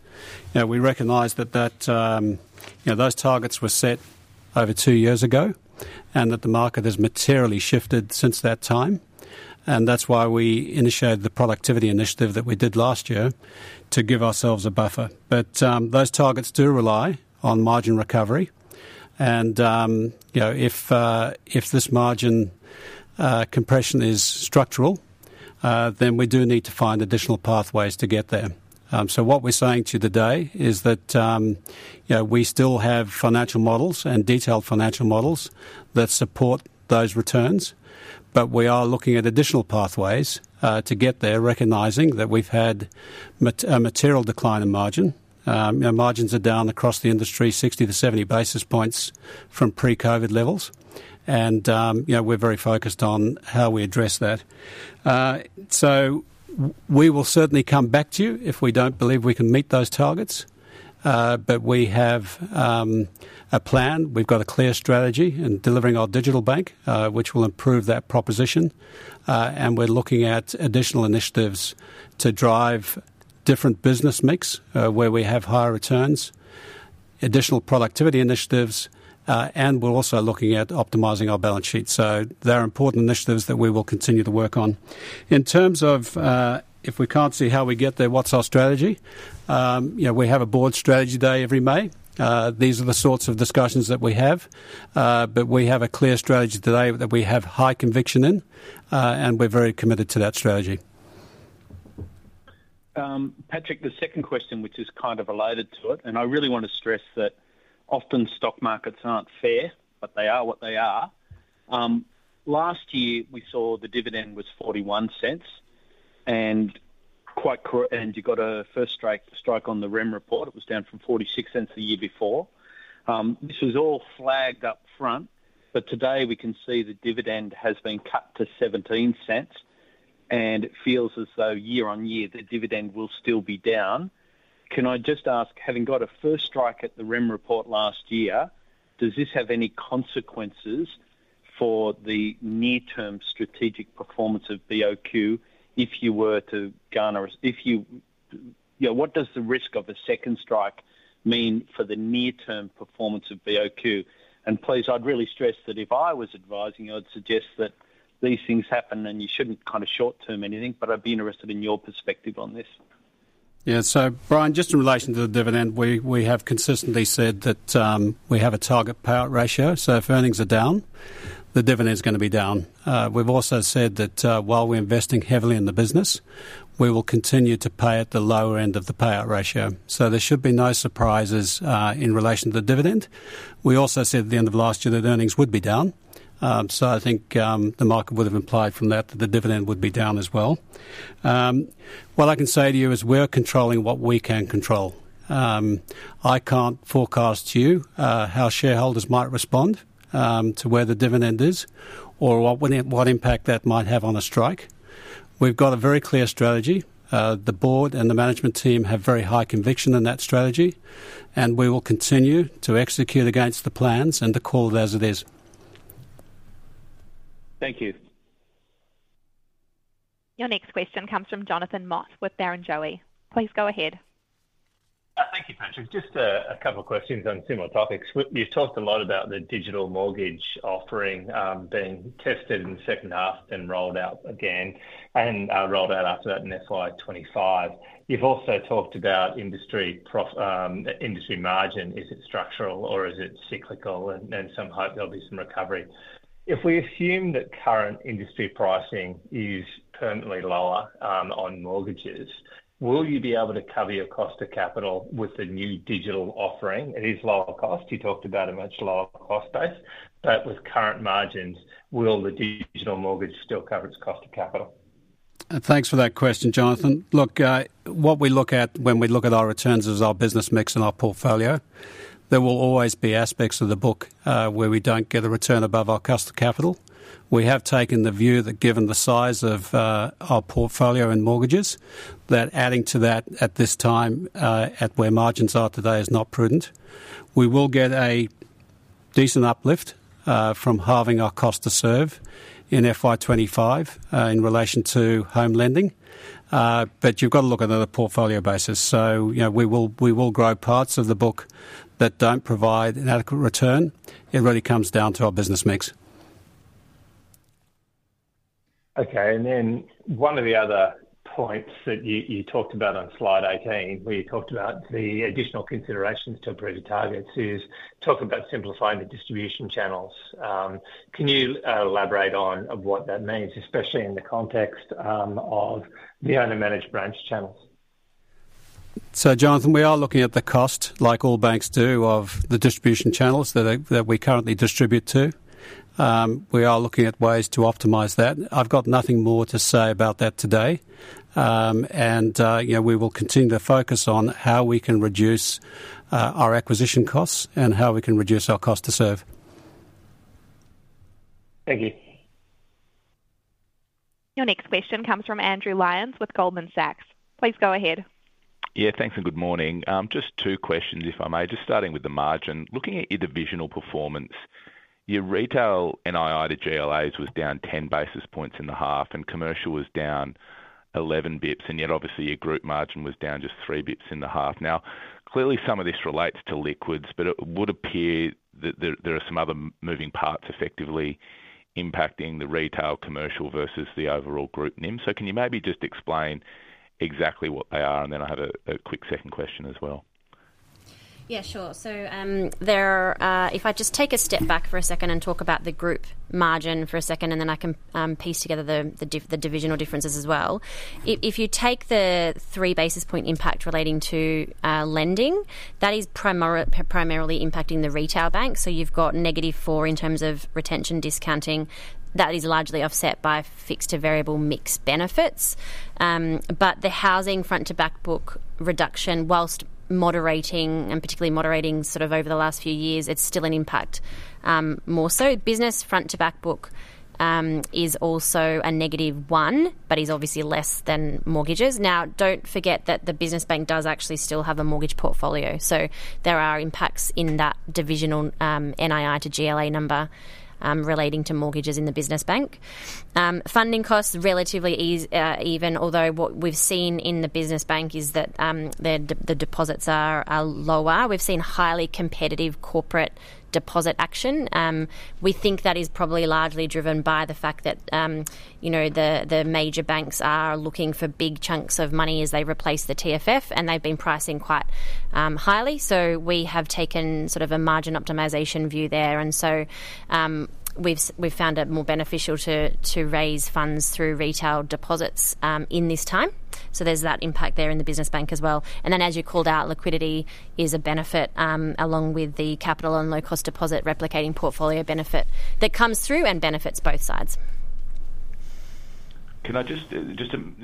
We recognize that those targets were set over two years ago and that the market has materially shifted since that time. And that's why we initiated the productivity initiative that we did last year to give ourselves a buffer. But those targets do rely on margin recovery. And if this margin compression is structural, then we do need to find additional pathways to get there. So what we're saying to you today is that we still have financial models and detailed financial models that support those returns, but we are looking at additional pathways to get there, recognizing that we've had a material decline in margin. Margins are down across the industry 60 to 70 basis points from pre-COVID levels, and we're very focused on how we address that. So we will certainly come back to you if we don't believe we can meet those targets. But we have a plan. We've got a clear strategy in delivering our digital bank, which will improve that proposition. And we're looking at additional initiatives to drive different business mix where we have higher returns, additional productivity initiatives, and we're also looking at optimizing our balance sheet. So they're important initiatives that we will continue to work on. In terms of if we can't see how we get there, what's our strategy? We have a board strategy day every May. These are the sorts of discussions that we have. But we have a clear strategy today that we have high conviction in, and we're very committed to that strategy. Patrick, the second question, which is kind of related to it, and I really want to stress that often stock markets aren't fair, but they are what they are. Last year, we saw the dividend was 0.41, and you got a first strike on the Rem report. It was down from 0.46 the year before. This was all flagged up front, but today, we can see the dividend has been cut to 0.17, and it feels as though year-over-year, the dividend will still be down. Can I just ask, having got a first strike at the Rem report last year, does this have any consequences for the near-term strategic performance of BOQ if you were to garner a what does the risk of a second strike mean for the near-term performance of BOQ? Please, I'd really stress that if I was advising, I'd suggest that these things happen, and you shouldn't kind of short-term anything. But I'd be interested in your perspective on this. Yeah. So, Brian, just in relation to the dividend, we have consistently said that we have a target payout ratio. So if earnings are down, the dividend's going to be down. We've also said that while we're investing heavily in the business, we will continue to pay at the lower end of the payout ratio. So there should be no surprises in relation to the dividend. We also said at the end of last year that earnings would be down. So I think the market would have implied from that that the dividend would be down as well. What I can say to you is we're controlling what we can control. I can't forecast to you how shareholders might respond to where the dividend is or what impact that might have on a strike. We've got a very clear strategy. The board and the management team have very high conviction in that strategy, and we will continue to execute against the plans and to call it as it is. Thank you. Your next question comes from Jonathan Mott with Barrenjoey. Please go ahead. Thank you, Patrick. Just a couple of questions on similar topics. You've talked a lot about the digital mortgage offering being tested in the second half and rolled out again and rolled out after that in FY25. You've also talked about industry margin. Is it structural, or is it cyclical? And some hope there'll be some recovery. If we assume that current industry pricing is permanently lower on mortgages, will you be able to cover your cost of capital with the new digital offering? It is lower cost. You talked about a much lower cost base. But with current margins, will the digital mortgage still cover its cost of capital? Thanks for that question, Jonathan. Look, what we look at when we look at our returns is our business mix and our portfolio. There will always be aspects of the book where we don't get a return above our cost of capital. We have taken the view that given the size of our portfolio in mortgages, that adding to that at this time at where margins are today is not prudent. We will get a decent uplift from halving our cost to serve in FY25 in relation to home lending. But you've got to look at it on a portfolio basis. So we will grow parts of the book that don't provide an adequate return. It really comes down to our business mix. Okay. And then one of the other points that you talked about on slide 18, where you talked about the additional considerations to improve your targets, is talk about simplifying the distribution channels. Can you elaborate on what that means, especially in the context of the owner-managed branch channels? So, Jonathan, we are looking at the cost, like all banks do, of the distribution channels that we currently distribute to. We are looking at ways to optimize that. I've got nothing more to say about that today. We will continue to focus on how we can reduce our acquisition costs and how we can reduce our cost to serve. Thank you. Your next question comes from Andrew Lyons with Goldman Sachs. Please go ahead. Yeah. Thanks and good morning. Just two questions, if I may. Just starting with the margin, looking at your divisional performance, your retail NII to GLAs was down 10 basis points in the half, and commercial was down 11 basis points. And yet, obviously, your group margin was down just 3 basis points in the half. Now, clearly, some of this relates to liquids, but it would appear that there are some other moving parts effectively impacting the retail, commercial, versus the overall group NIM. So can you maybe just explain exactly what they are? And then I have a quick second question as well. Yeah. Sure. So if I just take a step back for a second and talk about the group margin for a second, and then I can piece together the divisional differences as well. If you take the three basis point impact relating to lending, that is primarily impacting the retail bank. So you've got negative four in terms of retention discounting. That is largely offset by fixed to variable mix benefits. But the housing front-to-back book reduction, while moderating and particularly moderating sort of over the last few years, it's still an impact more so. Business front-to-back book is also a negative one, but is obviously less than mortgages. Now, don't forget that the business bank does actually still have a mortgage portfolio. So there are impacts in that divisional NII to GLA number relating to mortgages in the business bank. Funding costs relatively even, although what we've seen in the business bank is that the deposits are lower. We've seen highly competitive corporate deposit action. We think that is probably largely driven by the fact that the major banks are looking for big chunks of money as they replace the TFF, and they've been pricing quite highly. So we have taken sort of a margin optimization view there. And so we've found it more beneficial to raise funds through retail deposits in this time. So there's that impact there in the business bank as well. And then, as you called out, liquidity is a benefit along with the capital and low-cost deposit replicating portfolio benefit that comes through and benefits both sides. Can I just,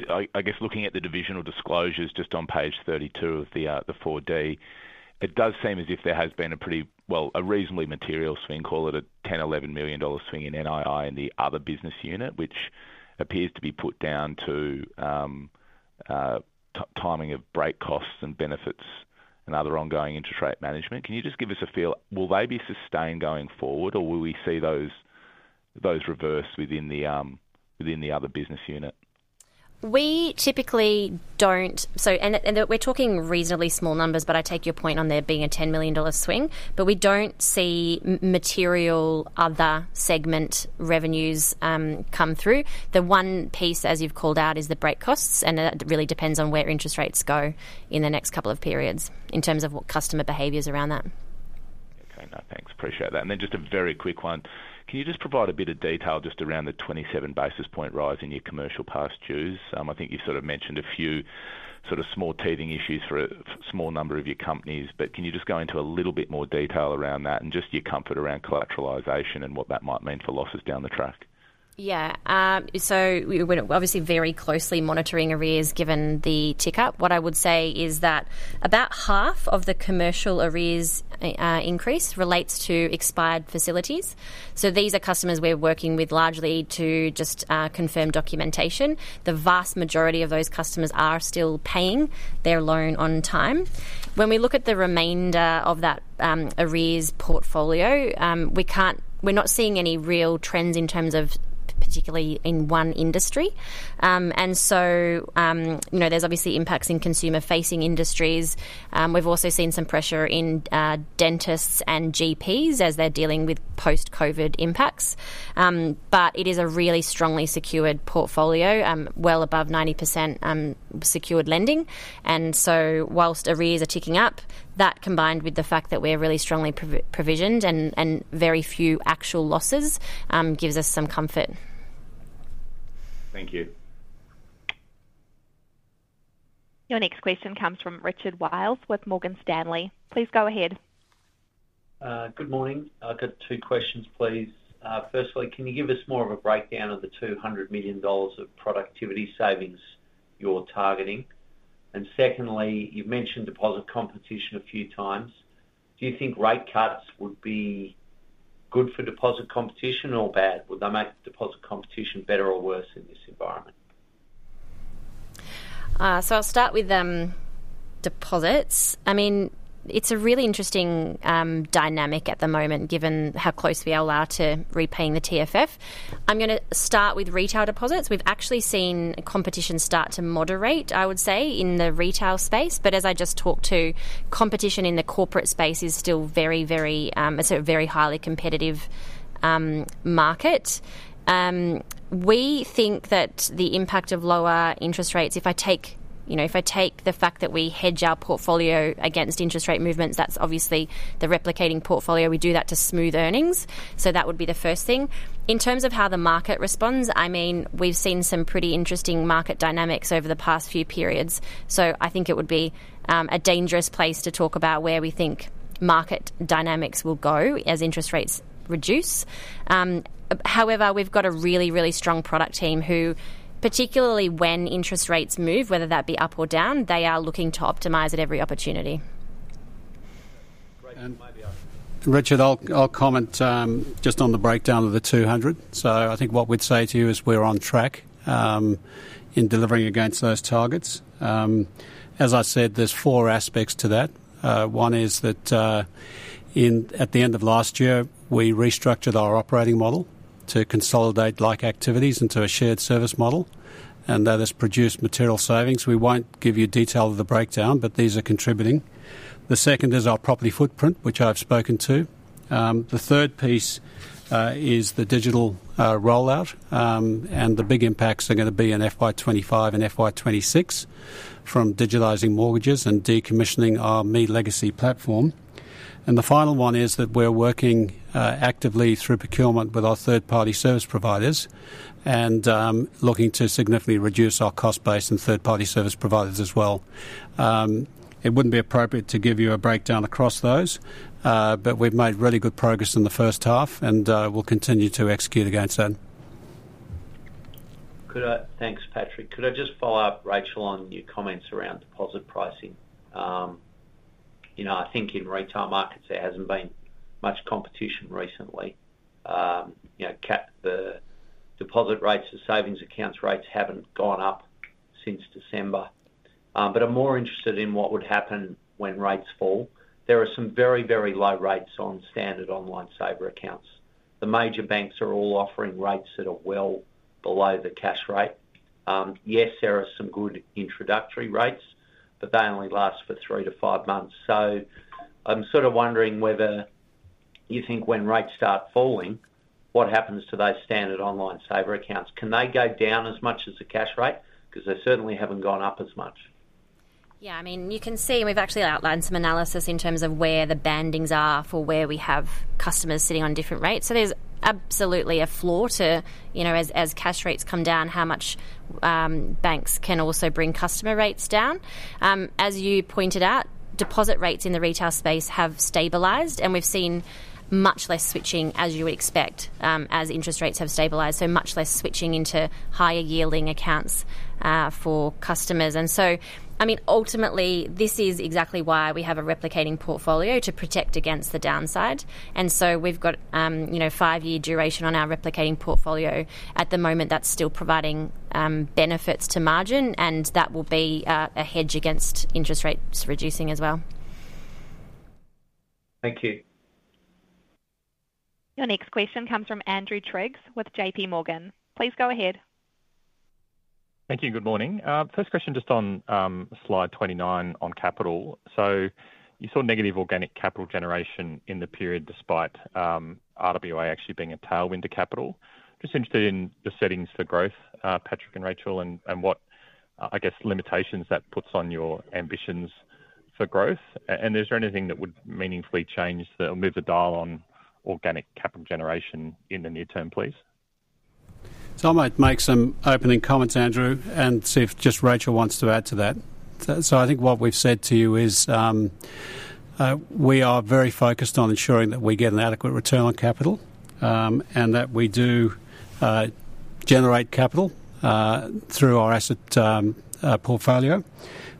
I guess, looking at the divisional disclosures just on page 32 of the 4D, it does seem as if there has been a pretty well, a reasonably material swing, call it a 10 to $11 million swing in NII in the other business unit, which appears to be put down to timing of break costs and benefits and other ongoing interest rate management. Can you just give us a feel? Will they be sustained going forward, or will we see those reversed within the other business unit? We typically don't, so we're talking reasonably small numbers, but I take your point on there being a 10 million dollar swing. But we don't see material other segment revenues come through. The one piece, as you've called out, is the break costs. And that really depends on where interest rates go in the next couple of periods in terms of what customer behaviors around that. Okay. No. Thanks. Appreciate that. And then just a very quick one. Can you just provide a bit of detail just around the 27 basis point rise in your commercial past dues? I think you've sort of mentioned a few sort of small teething issues for a small number of your companies. But can you just go into a little bit more detail around that and just your comfort around collateralisation and what that might mean for losses down the track? Yeah. So we're obviously very closely monitoring arrears given the tick up. What I would say is that about half of the commercial arrears increase relates to expired facilities. So these are customers we're working with largely to just confirm documentation. The vast majority of those customers are still paying their loan on time. When we look at the remainder of that arrears portfolio, we're not seeing any real trends in terms of particularly in one industry. And so there's obviously impacts in consumer-facing industries. We've also seen some pressure in dentists and GPs as they're dealing with post-COVID impacts. But it is a really strongly secured portfolio, well above 90% secured lending. And so while arrears are ticking up, that combined with the fact that we're really strongly provisioned and very few actual losses gives us some comfort. Thank you. Your next question comes from Richard Wiles with Morgan Stanley. Please go ahead. Good morning. I've got two questions, please. Firstly, can you give us more of a breakdown of the 200 million dollars of productivity savings you're targeting? And secondly, you've mentioned deposit competition a few times. Do you think rate cuts would be good for deposit competition or bad? Would they make deposit competition better or worse in this environment? So I'll start with deposits. I mean, it's a really interesting dynamic at the moment given how close we are to repaying the TFF. I'm going to start with retail deposits. We've actually seen competition start to moderate, I would say, in the retail space. But as I just talked to, competition in the corporate space is still very, very, it's a very highly competitive market. We think that the impact of lower interest rates if I take if I take the fact that we hedge our portfolio against interest rate movements, that's obviously the replicating portfolio. We do that to smooth earnings. So that would be the first thing. In terms of how the market responds, I mean, we've seen some pretty interesting market dynamics over the past few periods. I think it would be a dangerous place to talk about where we think market dynamics will go as interest rates reduce. However, we've got a really, really strong product team who, particularly when interest rates move, whether that be up or down, they are looking to optimize at every opportunity. Richard, I'll comment just on the breakdown of the 200. So I think what we'd say to you is we're on track in delivering against those targets. As I said, there's four aspects to that. One is that at the end of last year, we restructured our operating model to consolidate like activities into a shared service model. And that has produced material savings. We won't give you detail of the breakdown, but these are contributing. The second is our property footprint, which I've spoken to. The third piece is the digital rollout. And the big impacts are going to be in FY25 and FY26 from digitizing mortgages and decommissioning our ME legacy platform. And the final one is that we're working actively through procurement with our third-party service providers and looking to significantly reduce our cost base in third-party service providers as well. It wouldn't be appropriate to give you a breakdown across those. But we've made really good progress in the first half, and we'll continue to execute against that. Thanks, Patrick. Could I just follow up, Racheal, on your comments around deposit pricing? I think in retail markets, there hasn't been much competition recently. The deposit rates and savings accounts rates haven't gone up since December. But I'm more interested in what would happen when rates fall. There are some very, very low rates on standard online saver accounts. The major banks are all offering rates that are well below the cash rate. Yes, there are some good introductory rates, but they only last for three to five months. So I'm sort of wondering whether you think when rates start falling, what happens to those standard online saver accounts? Can they go down as much as the cash rate? Because they certainly haven't gone up as much. Yeah. I mean, you can see we've actually outlined some analysis in terms of where the bandings are for where we have customers sitting on different rates. So there's absolutely a floor to as cash rates come down, how much banks can also bring customer rates down. As you pointed out, deposit rates in the retail space have stabilized. And we've seen much less switching, as you would expect, as interest rates have stabilized. So much less switching into higher yielding accounts for customers. And so, I mean, ultimately, this is exactly why we have a replicating portfolio to protect against the downside. And so we've got five-year duration on our replicating portfolio. At the moment, that's still providing benefits to margin. And that will be a hedge against interest rates reducing as well. Thank you. Your next question comes from Andrew Triggs with JPMorgan. Please go ahead. Thank you. Good morning. First question just on slide 29 on capital. So you saw negative organic capital generation in the period despite RWA actually being a tailwind to capital. Just interested in your settings for growth, Patrick and Racheal, and what, I guess, limitations that puts on your ambitions for growth? And is there anything that would meaningfully change that will move the dial on organic capital generation in the near term, please? So I might make some opening comments, Andrew, and see if just Racheal wants to add to that. So I think what we've said to you is we are very focused on ensuring that we get an adequate return on capital and that we do generate capital through our asset portfolio.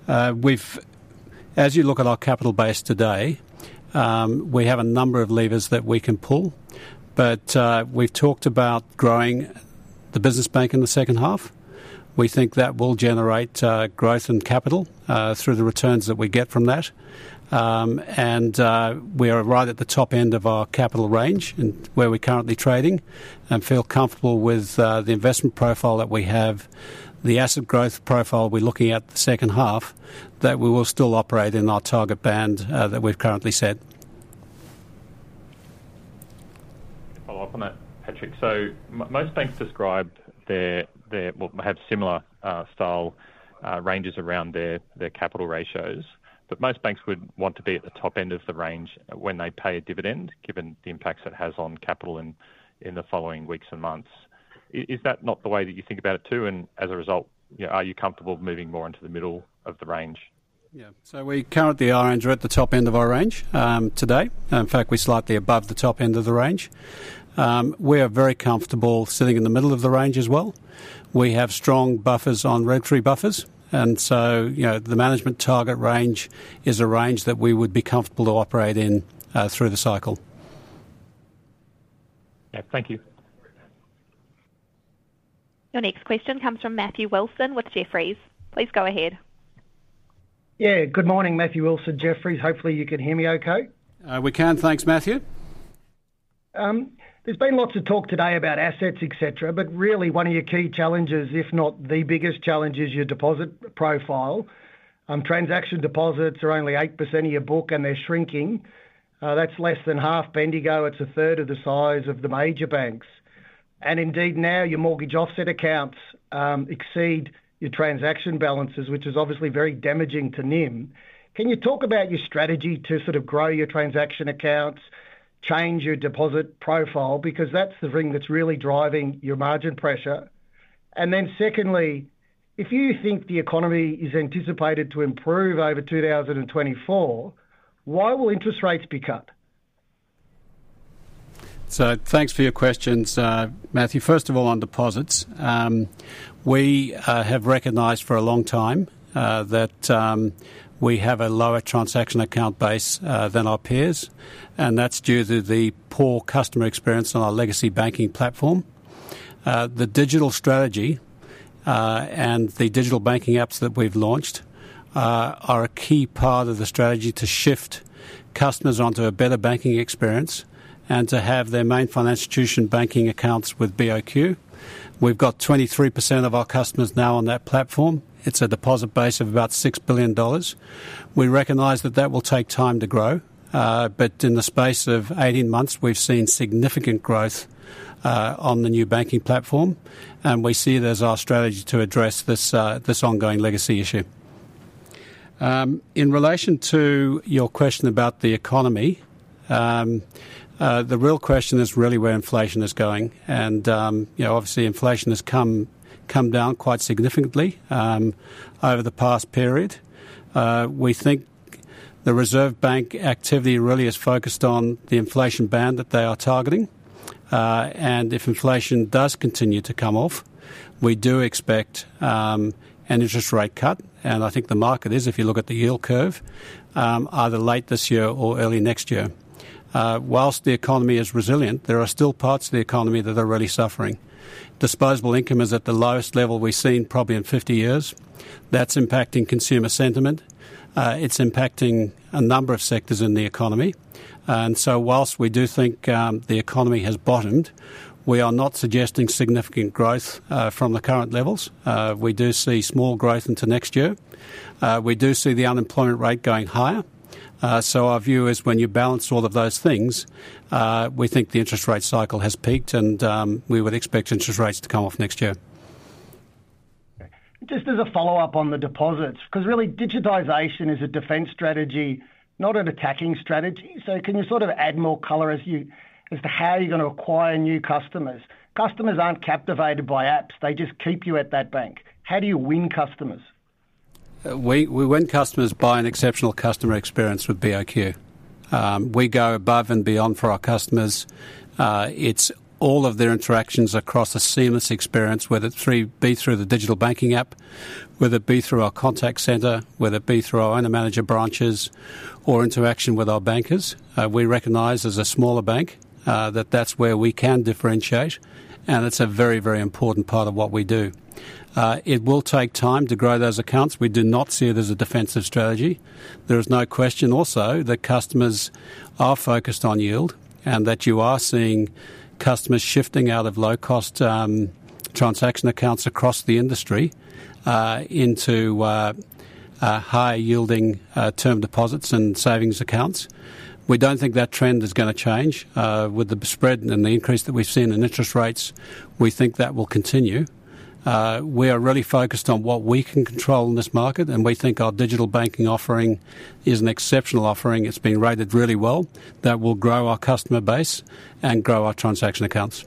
As you look at our capital base today, we have a number of levers that we can pull. But we've talked about growing the business bank in the second half. We think that will generate growth in capital through the returns that we get from that. And we are right at the top end of our capital range where we're currently trading and feel comfortable with the investment profile that we have, the asset growth profile we're looking at the second half, that we will still operate in our target band that we've currently set. Follow up on that, Patrick. So most banks describe their well, have similar-style ranges around their capital ratios. But most banks would want to be at the top end of the range when they pay a dividend given the impacts it has on capital in the following weeks and months. Is that not the way that you think about it too? And as a result, are you comfortable moving more into the middle of the range? Yeah. So we're currently, Andrew, at the top end of our range today. In fact, we're slightly above the top end of the range. We are very comfortable sitting in the middle of the range as well. We have strong buffers on regulatory buffers. And so the management target range is a range that we would be comfortable to operate in through the cycle. Yeah. Thank you. Your next question comes from Matthew Wilson with Jefferies. Please go ahead. Yeah. Good morning, Matthew Wilson, Jefferies. Hopefully, you can hear me okay. We can. Thanks, Matthew. There's been lots of talk today about assets, etc. But really, one of your key challenges, if not the biggest challenge, is your deposit profile. Transaction deposits are only 8% of your book, and they're shrinking. That's less than half Bendigo. It's a third of the size of the major banks. And indeed, now, your mortgage offset accounts exceed your transaction balances, which is obviously very damaging to NIM. Can you talk about your strategy to sort of grow your transaction accounts, change your deposit profile? Because that's the thing that's really driving your margin pressure. And then secondly, if you think the economy is anticipated to improve over 2024, why will interest rates be cut? So thanks for your questions, Matthew. First of all, on deposits, we have recognized for a long time that we have a lower transaction account base than our peers. That's due to the poor customer experience on our legacy banking platform. The digital strategy and the digital banking apps that we've launched are a key part of the strategy to shift customers onto a better banking experience and to have their main financial institution banking accounts with BOQ. We've got 23% of our customers now on that platform. It's a deposit base of about 6 billion dollars. We recognize that that will take time to grow. But in the space of 18 months, we've seen significant growth on the new banking platform. And we see it as our strategy to address this ongoing legacy issue. In relation to your question about the economy, the real question is really where inflation is going. Obviously, inflation has come down quite significantly over the past period. We think the Reserve Bank activity really is focused on the inflation band that they are targeting. If inflation does continue to come off, we do expect an interest rate cut. I think the market is, if you look at the yield curve, either late this year or early next year. Whilst the economy is resilient, there are still parts of the economy that are really suffering. Disposable income is at the lowest level we've seen probably in 50 years. That's impacting consumer sentiment. It's impacting a number of sectors in the economy. Whilst we do think the economy has bottomed, we are not suggesting significant growth from the current levels. We do see small growth into next year. We do see the unemployment rate going higher. So our view is when you balance all of those things, we think the interest rate cycle has peaked. And we would expect interest rates to come off next year. Just as a follow-up on the deposits, because really, digitization is a defense strategy, not an attacking strategy. So can you sort of add more color as to how you're going to acquire new customers? Customers aren't captivated by apps. They just keep you at that bank. How do you win customers? We win customers by an exceptional customer experience with BOQ. We go above and beyond for our customers. It's all of their interactions across a seamless experience, whether it be through the digital banking app, whether it be through our contact center, whether it be through our owner-manager branches, or interaction with our bankers. We recognize, as a smaller bank, that that's where we can differentiate. It's a very, very important part of what we do. It will take time to grow those accounts. We do not see it as a defensive strategy. There is no question, also, that customers are focused on yield and that you are seeing customers shifting out of low-cost transaction accounts across the industry into higher-yielding term deposits and savings accounts. We don't think that trend is going to change. With the spread and the increase that we've seen in interest rates, we think that will continue. We are really focused on what we can control in this market. We think our digital banking offering is an exceptional offering. It's been rated really well. That will grow our customer base and grow our transaction accounts.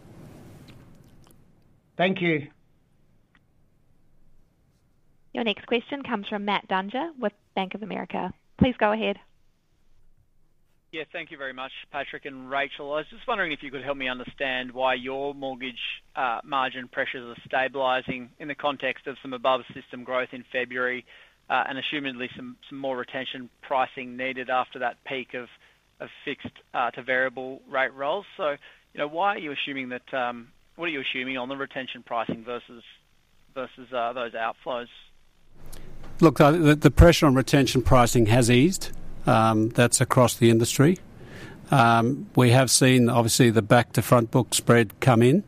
Thank you. Your next question comes from Matt Dunger with Bank of America. Please go ahead. Yeah. Thank you very much, Patrick and Racheal. I was just wondering if you could help me understand why your mortgage margin pressures are stabilizing in the context of some above-system growth in February and assumably some more retention pricing needed after that peak of fixed-to-variable rate rolls. So why are you assuming that? What are you assuming on the retention pricing versus those outflows? Look, the pressure on retention pricing has eased. That's across the industry. We have seen, obviously, the back-to-front book spread come in.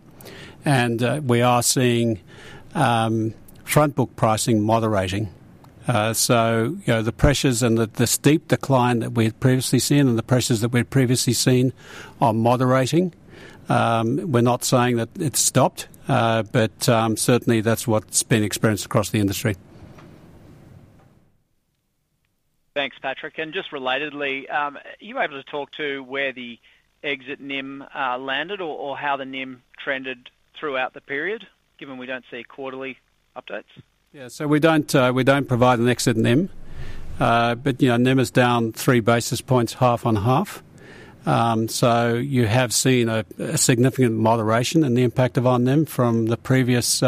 And we are seeing front-book pricing moderating. So the pressures and the steep decline that we had previously seen and the pressures that we had previously seen are moderating. We're not saying that it's stopped. But certainly, that's what's been experienced across the industry. Thanks, Patrick. Just relatedly, are you able to talk to where the exit NIM landed or how the NIM trended throughout the period, given we don't see quarterly updates? Yeah. So we don't provide an exit NIM. But NIM is down three basis points, half on half. So you have seen a significant moderation in the impact of our NIM from the previous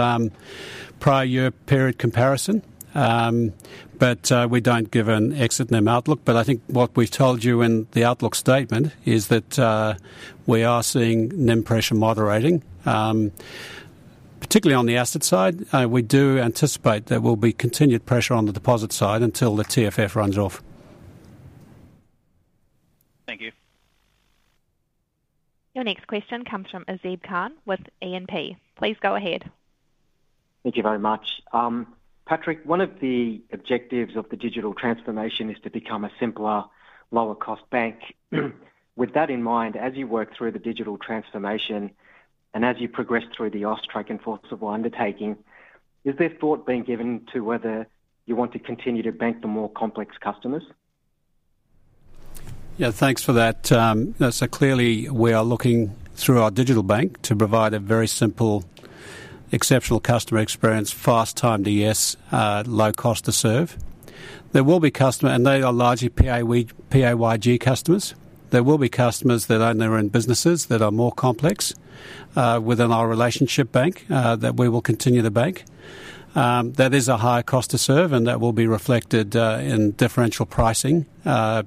prior-year period comparison. But we don't give an exit NIM outlook. But I think what we've told you in the outlook statement is that we are seeing NIM pressure moderating, particularly on the asset side. We do anticipate there will be continued pressure on the deposit side until the TFF runs off. Thank you. Your next question comes from Azib Khan with E&P. Please go ahead. Thank you very much. Patrick, one of the objectives of the digital transformation is to become a simpler, lower-cost bank. With that in mind, as you work through the digital transformation and as you progress through the APRA enforceable undertaking, is there thought being given to whether you want to continue to bank the more complex customers? Yeah. Thanks for that. So clearly, we are looking, through our digital bank, to provide a very simple, exceptional customer experience, fast time to yes, low cost to serve. There will be customers and they are largely PAYG customers. There will be customers that own their own businesses that are more complex within our relationship bank that we will continue to bank. That is a higher cost to serve. And that will be reflected in differential pricing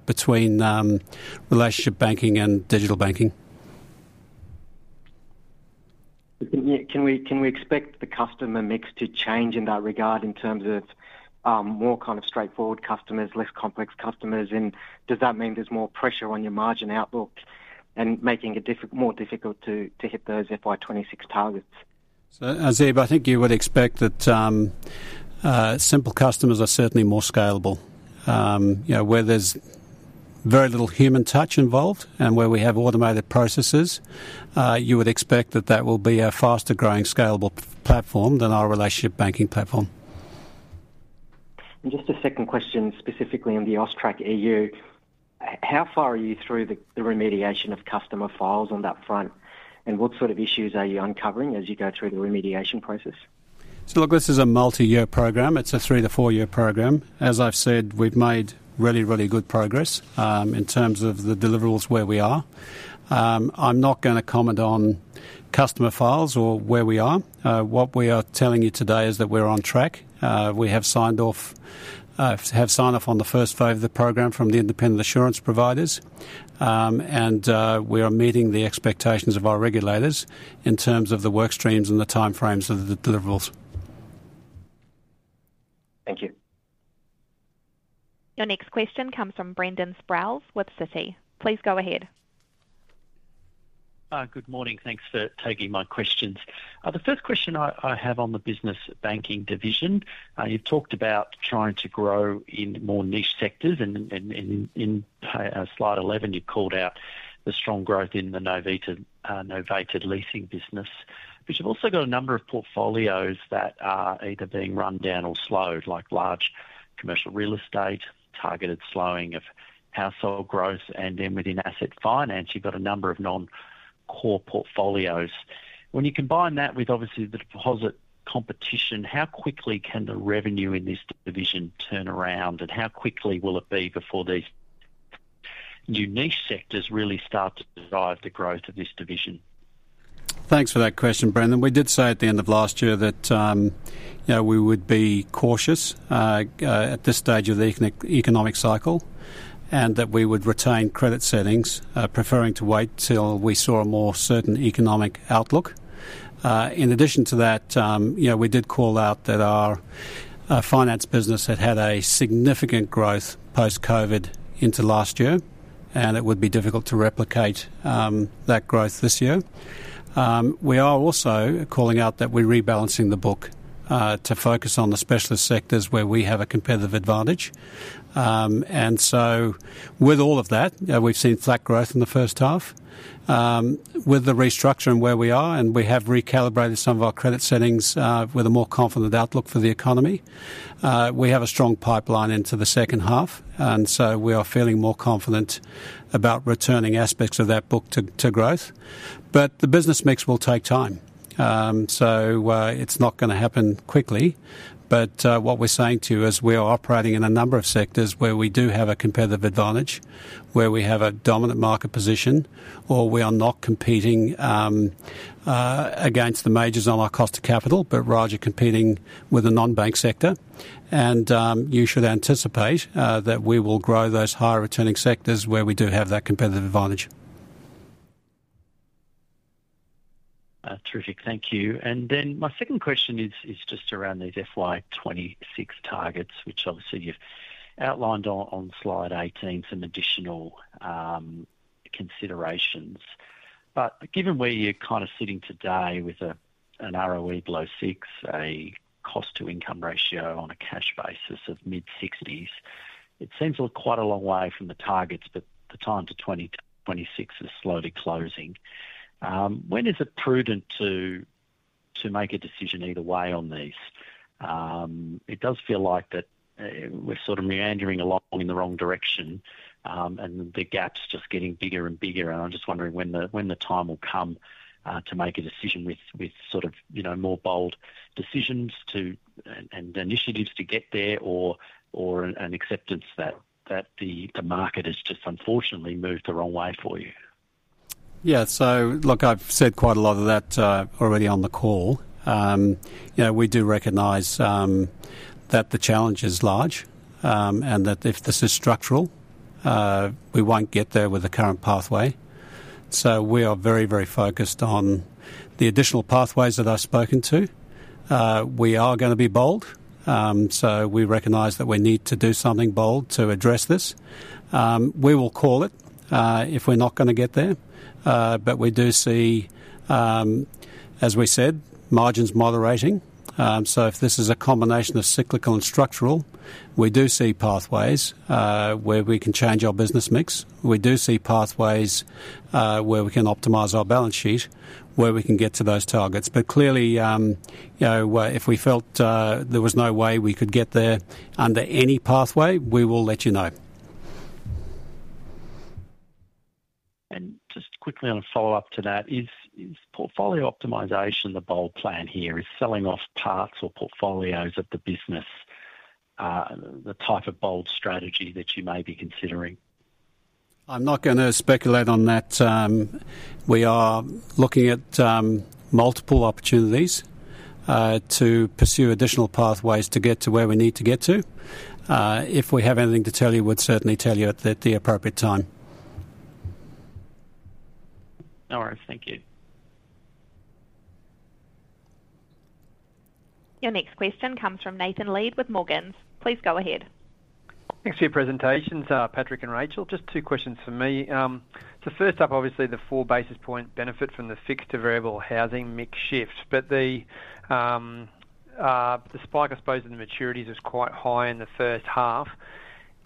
between relationship banking and digital banking. Can we expect the customer mix to change in that regard in terms of more kind of straightforward customers, less complex customers? And does that mean there's more pressure on your margin outlook and making it more difficult to hit those FY26 targets? Azib, I think you would expect that simple customers are certainly more scalable. Where there's very little human touch involved and where we have automated processes, you would expect that that will be a faster-growing, scalable platform than our relationship banking platform. Just a second question, specifically in the AUSTRAC. How far are you through the remediation of customer files on that front? And what sort of issues are you uncovering as you go through the remediation process? So look, this is a multi-year program. It's a three to four year program. As I've said, we've made really, really good progress in terms of the deliverables where we are. I'm not going to comment on customer files or where we are. What we are telling you today is that we're on track. We have signed off on the first phase of the program from the independent assurance providers. We are meeting the expectations of our regulators in terms of the workstreams and the timeframes of the deliverables. Thank you. Your next question comes from Brendan Sproules with Citi. Please go ahead. Good morning. Thanks for taking my questions. The first question I have on the business banking division, you've talked about trying to grow in more niche sectors. And in slide 11, you called out the strong growth in the novated leasing business, which have also got a number of portfolios that are either being run down or slowed, like large commercial real estate, targeted slowing of household growth. And then within asset finance, you've got a number of non-core portfolios. When you combine that with, obviously, the deposit competition, how quickly can the revenue in this division turn around? And how quickly will it be before these new niche sectors really start to drive the growth of this division? Thanks for that question, Brendan. We did say at the end of last year that we would be cautious at this stage of the economic cycle and that we would retain credit settings, preferring to wait till we saw a more certain economic outlook. In addition to that, we did call out that our finance business had had a significant growth post-COVID into last year. It would be difficult to replicate that growth this year. We are also calling out that we're rebalancing the book to focus on the specialist sectors where we have a competitive advantage. So with all of that, we've seen flat growth in the first half. With the restructure and where we are and we have recalibrated some of our credit settings with a more confident outlook for the economy, we have a strong pipeline into the second half. And so we are feeling more confident about returning aspects of that book to growth. But the business mix will take time. So it's not going to happen quickly. But what we're saying to you is we are operating in a number of sectors where we do have a competitive advantage, where we have a dominant market position, or we are not competing against the majors on our cost of capital but rather competing with the non-bank sector. And you should anticipate that we will grow those higher-returning sectors where we do have that competitive advantage. Terrific. Thank you. And then my second question is just around these FY 2026 targets, which obviously you've outlined on slide 18, some additional considerations. But given where you're kind of sitting today with an ROE below six, a cost-to-income ratio on a cash basis of mid-60s, it seems quite a long way from the targets. But the time to 2026 is slowly closing. When is it prudent to make a decision either way on these? It does feel like that we're sort of meandering along in the wrong direction. And the gap's just getting bigger and bigger. And I'm just wondering when the time will come to make a decision with sort of more bold decisions and initiatives to get there or an acceptance that the market has just, unfortunately, moved the wrong way for you. Yeah. So look, I've said quite a lot of that already on the call. We do recognize that the challenge is large. And that if this is structural, we won't get there with the current pathway. So we are very, very focused on the additional pathways that I've spoken to. We are going to be bold. So we recognize that we need to do something bold to address this. We will call it if we're not going to get there. But we do see, as we said, margins moderating. So if this is a combination of cyclical and structural, we do see pathways where we can change our business mix. We do see pathways where we can optimize our balance sheet, where we can get to those targets. But clearly, if we felt there was no way we could get there under any pathway, we will let you know. Just quickly on a follow-up to that, is portfolio optimization the bold plan here? Is selling off parts or portfolios of the business the type of bold strategy that you may be considering? I'm not going to speculate on that. We are looking at multiple opportunities to pursue additional pathways to get to where we need to get to. If we have anything to tell you, we'd certainly tell you at the appropriate time. All right. Thank you. Your next question comes from Nathan Lead with Morgans. Please go ahead. Thanks for your presentations, Patrick and Racheal. Just two questions for me. So first up, obviously, the four basis point benefit from the fixed-to-variable housing mix shift. But the spike, I suppose, in the maturities was quite high in the first half.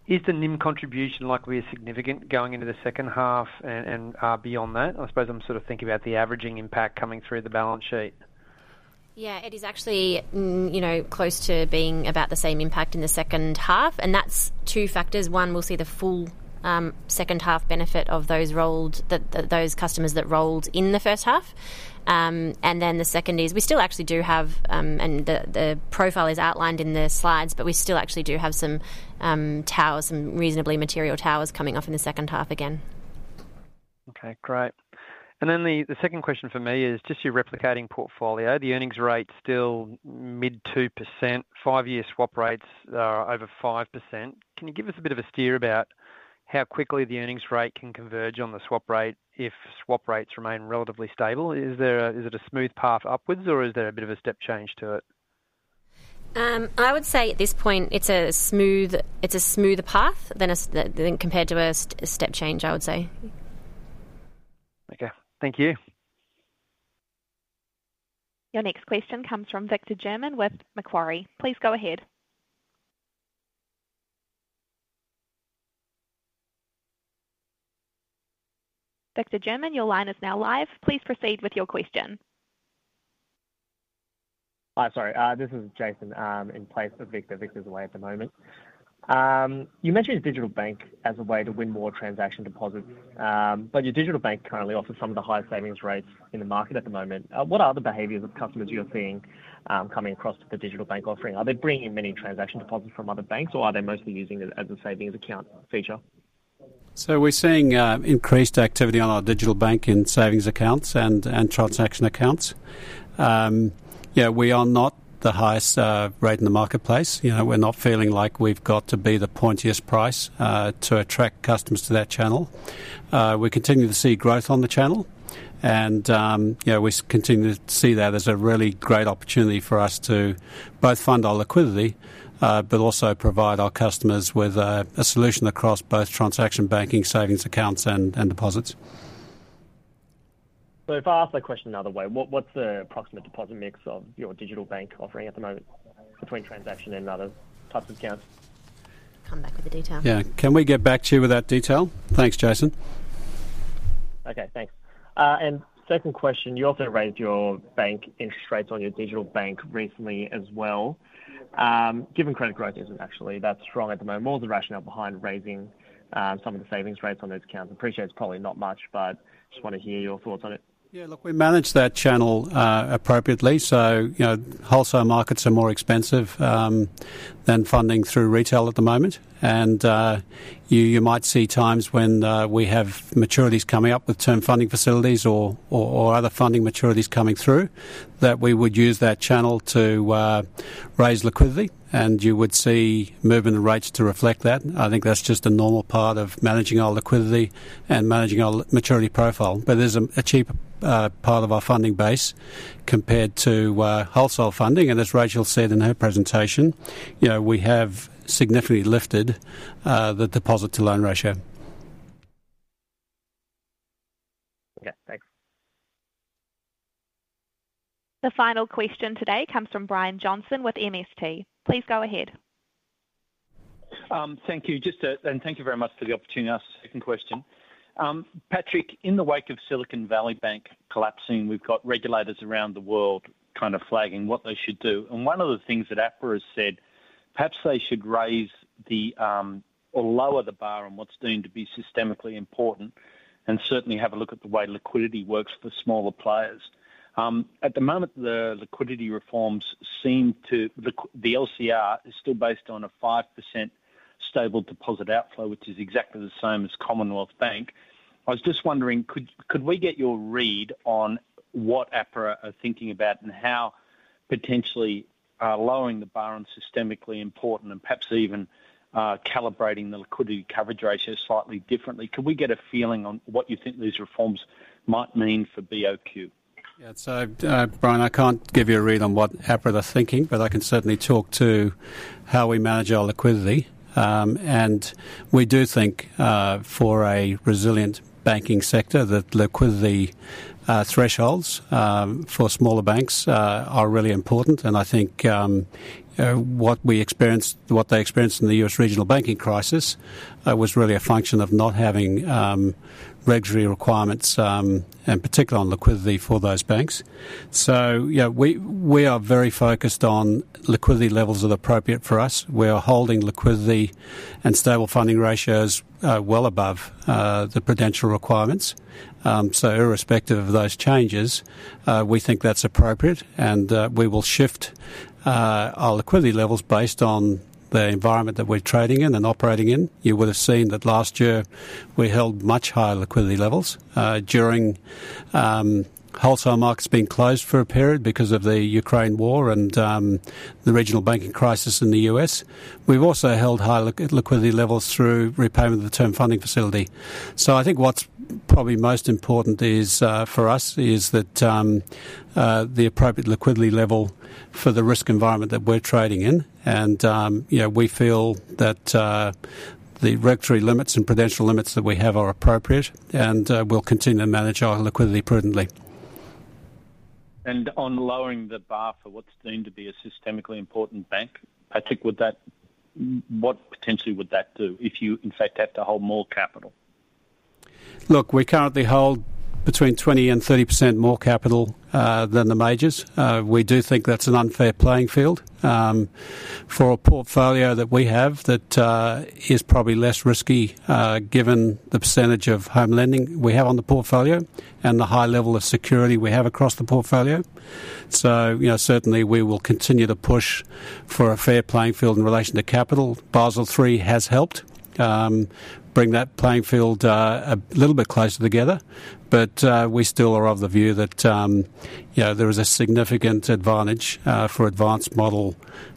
Is the NIM contribution likely significant going into the second half and beyond that? I suppose I'm sort of thinking about the averaging impact coming through the balance sheet. Yeah. It is actually close to being about the same impact in the second half. And that's two factors. One, we'll see the full second-half benefit of those customers that rolled in the first half. And then the second is we still actually do have and the profile is outlined in the slides. But we still actually do have some reasonably material towers coming off in the second half again. Okay. Great. And then the second question for me is just your replicating portfolio, the earnings rate still mid-2%, five-year swap rates are over 5%. Can you give us a bit of a steer about how quickly the earnings rate can converge on the swap rate if swap rates remain relatively stable? Is it a smooth path upwards? Or is there a bit of a step change to it? I would say, at this point, it's a smoother path compared to a step change, I would say. Okay. Thank you. Your next question comes from Victor German with Macquarie. Please go ahead. Victor German, your line is now live. Please proceed with your question. Hi. Sorry. This is Jason in place of Victor. Victor's away at the moment. You mentioned digital bank as a way to win more transaction deposits. But your digital bank currently offers some of the highest savings rates in the market at the moment. What are the behaviours of customers you're seeing coming across the digital bank offering? Are they bringing in many transaction deposits from other banks? Or are they mostly using it as a savings account feature? So we're seeing increased activity on our digital bank in savings accounts and transaction accounts. We are not the highest rate in the marketplace. We're not feeling like we've got to be the pointiest price to attract customers to that channel. We continue to see growth on the channel. And we continue to see that as a really great opportunity for us to both fund our liquidity but also provide our customers with a solution across both transaction banking, savings accounts, and deposits. So if I ask that question another way, what's the approximate deposit mix of your digital bank offering at the moment between transaction and other types of accounts? Come back with the detail. Yeah. Can we get back to you with that detail? Thanks, Jason. Okay. Thanks. Second question, you also raised your bank interest rates on your digital bank recently as well. Given credit growth, isn't it, actually? That's strong at the moment. What was the rationale behind raising some of the savings rates on those accounts? Appreciate it's probably not much. But just want to hear your thoughts on it. Yeah. Look, we manage that channel appropriately. So wholesale markets are more expensive than funding through retail at the moment. And you might see times when we have maturities coming up with term funding facilities or other funding maturities coming through that we would use that channel to raise liquidity. And you would see movement in rates to reflect that. I think that's just a normal part of managing our liquidity and managing our maturity profile. But there's a cheaper part of our funding base compared to wholesale funding. And as Racheal said in her presentation, we have significantly lifted the deposit-to-loan ratio. Okay. Thanks. The final question today comes from Brian Johnson with MST. Please go ahead. Thank you. And thank you very much for the opportunity. Last second question. Patrick, in the wake of Silicon Valley Bank collapsing, we've got regulators around the world kind of flagging what they should do. And one of the things that APRA has said, perhaps they should raise or lower the bar on what's deemed to be systemically important and certainly have a look at the way liquidity works for smaller players. At the moment, the liquidity reforms seem that the LCR is still based on a 5% stable deposit outflow, which is exactly the same as Commonwealth Bank. I was just wondering, could we get your read on what APRA are thinking about and how potentially lowering the bar on systemically important and perhaps even calibrating the liquidity coverage ratio slightly differently? Could we get a feeling on what you think these reforms might mean for BOQ? Yeah. So, Brian, I can't give you a read on what APRA they're thinking. But I can certainly talk to how we manage our liquidity. And we do think, for a resilient banking sector, that liquidity thresholds for smaller banks are really important. And I think what they experienced in the US regional banking crisis was really a function of not having regulatory requirements, in particular on liquidity, for those banks. So we are very focused on liquidity levels that are appropriate for us. We are holding liquidity and stable funding ratios well above the prudential requirements. So irrespective of those changes, we think that's appropriate. And we will shift our liquidity levels based on the environment that we're trading in and operating in. You would have seen that last year, we held much higher liquidity levels during wholesale markets being closed for a period because of the Ukraine war and the regional banking crisis in the U.S. We've also held high liquidity levels through repayment of the Term Funding Facility. So I think what's probably most important for us is the appropriate liquidity level for the risk environment that we're trading in. And we feel that the regulatory limits and prudential limits that we have are appropriate. And we'll continue to manage our liquidity prudently. On lowering the bar for what's deemed to be a systemically important bank, Patrick, what potentially would that do if you, in fact, had to hold more capital? Look, we currently hold between 20% and 30% more capital than the majors. We do think that's an unfair playing field for a portfolio that we have that is probably less risky given the percentage of home lending we have on the portfolio and the high level of security we have across the portfolio. So certainly, we will continue to push for a fair playing field in relation to capital. Basel III has helped bring that playing field a little bit closer together. But we still are of the view that there is a significant advantage for advanced model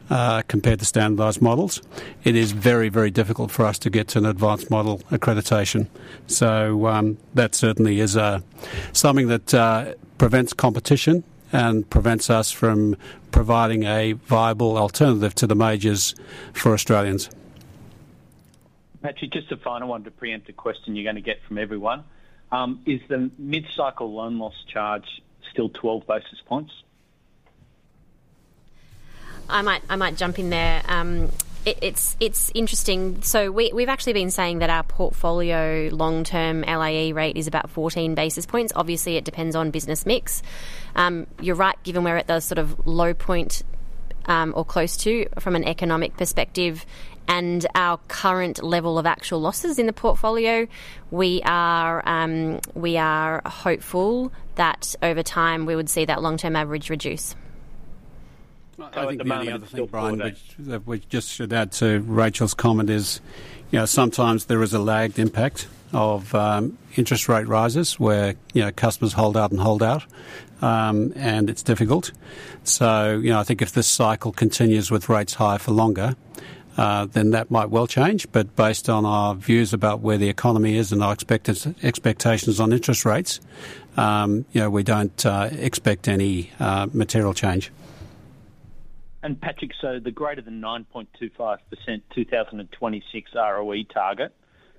compared to standardized models. It is very, very difficult for us to get to an advanced model accreditation. So that certainly is something that prevents competition and prevents us from providing a viable alternative to the majors for Australians. Patrick, just a final one to preempt a question you're going to get from everyone. Is the mid-cycle loan loss charge still 12 basis points? I might jump in there. It's interesting. So we've actually been saying that our portfolio long-term LIE rate is about 14 basis points. Obviously, it depends on business mix. You're right, given where it does sort of low point or close to from an economic perspective. And our current level of actual losses in the portfolio, we are hopeful that, over time, we would see that long-term average reduce. I think the main other thing, Brian, which we just should add to Racheal's comment, is sometimes there is a lagged impact of interest rate rises where customers hold out and hold out. It's difficult. I think if this cycle continues with rates high for longer, then that might well change. But based on our views about where the economy is and our expectations on interest rates, we don't expect any material change. Patrick, so the greater than 9.25% 2026 ROE target,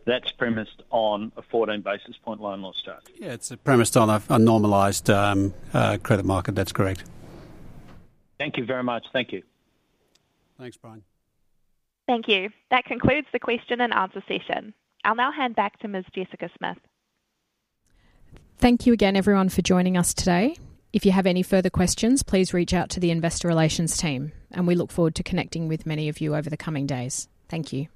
that's premised on a 14 basis point loan loss charge? Yeah. It's premised on a normalized credit market. That's correct. Thank you very much. Thank you. Thanks, Brian. Thank you. That concludes the question and answer session. I'll now hand back to Ms. Jessica Smith. Thank you again, everyone, for joining us today. If you have any further questions, please reach out to the investor relations team. We look forward to connecting with many of you over the coming days. Thank you.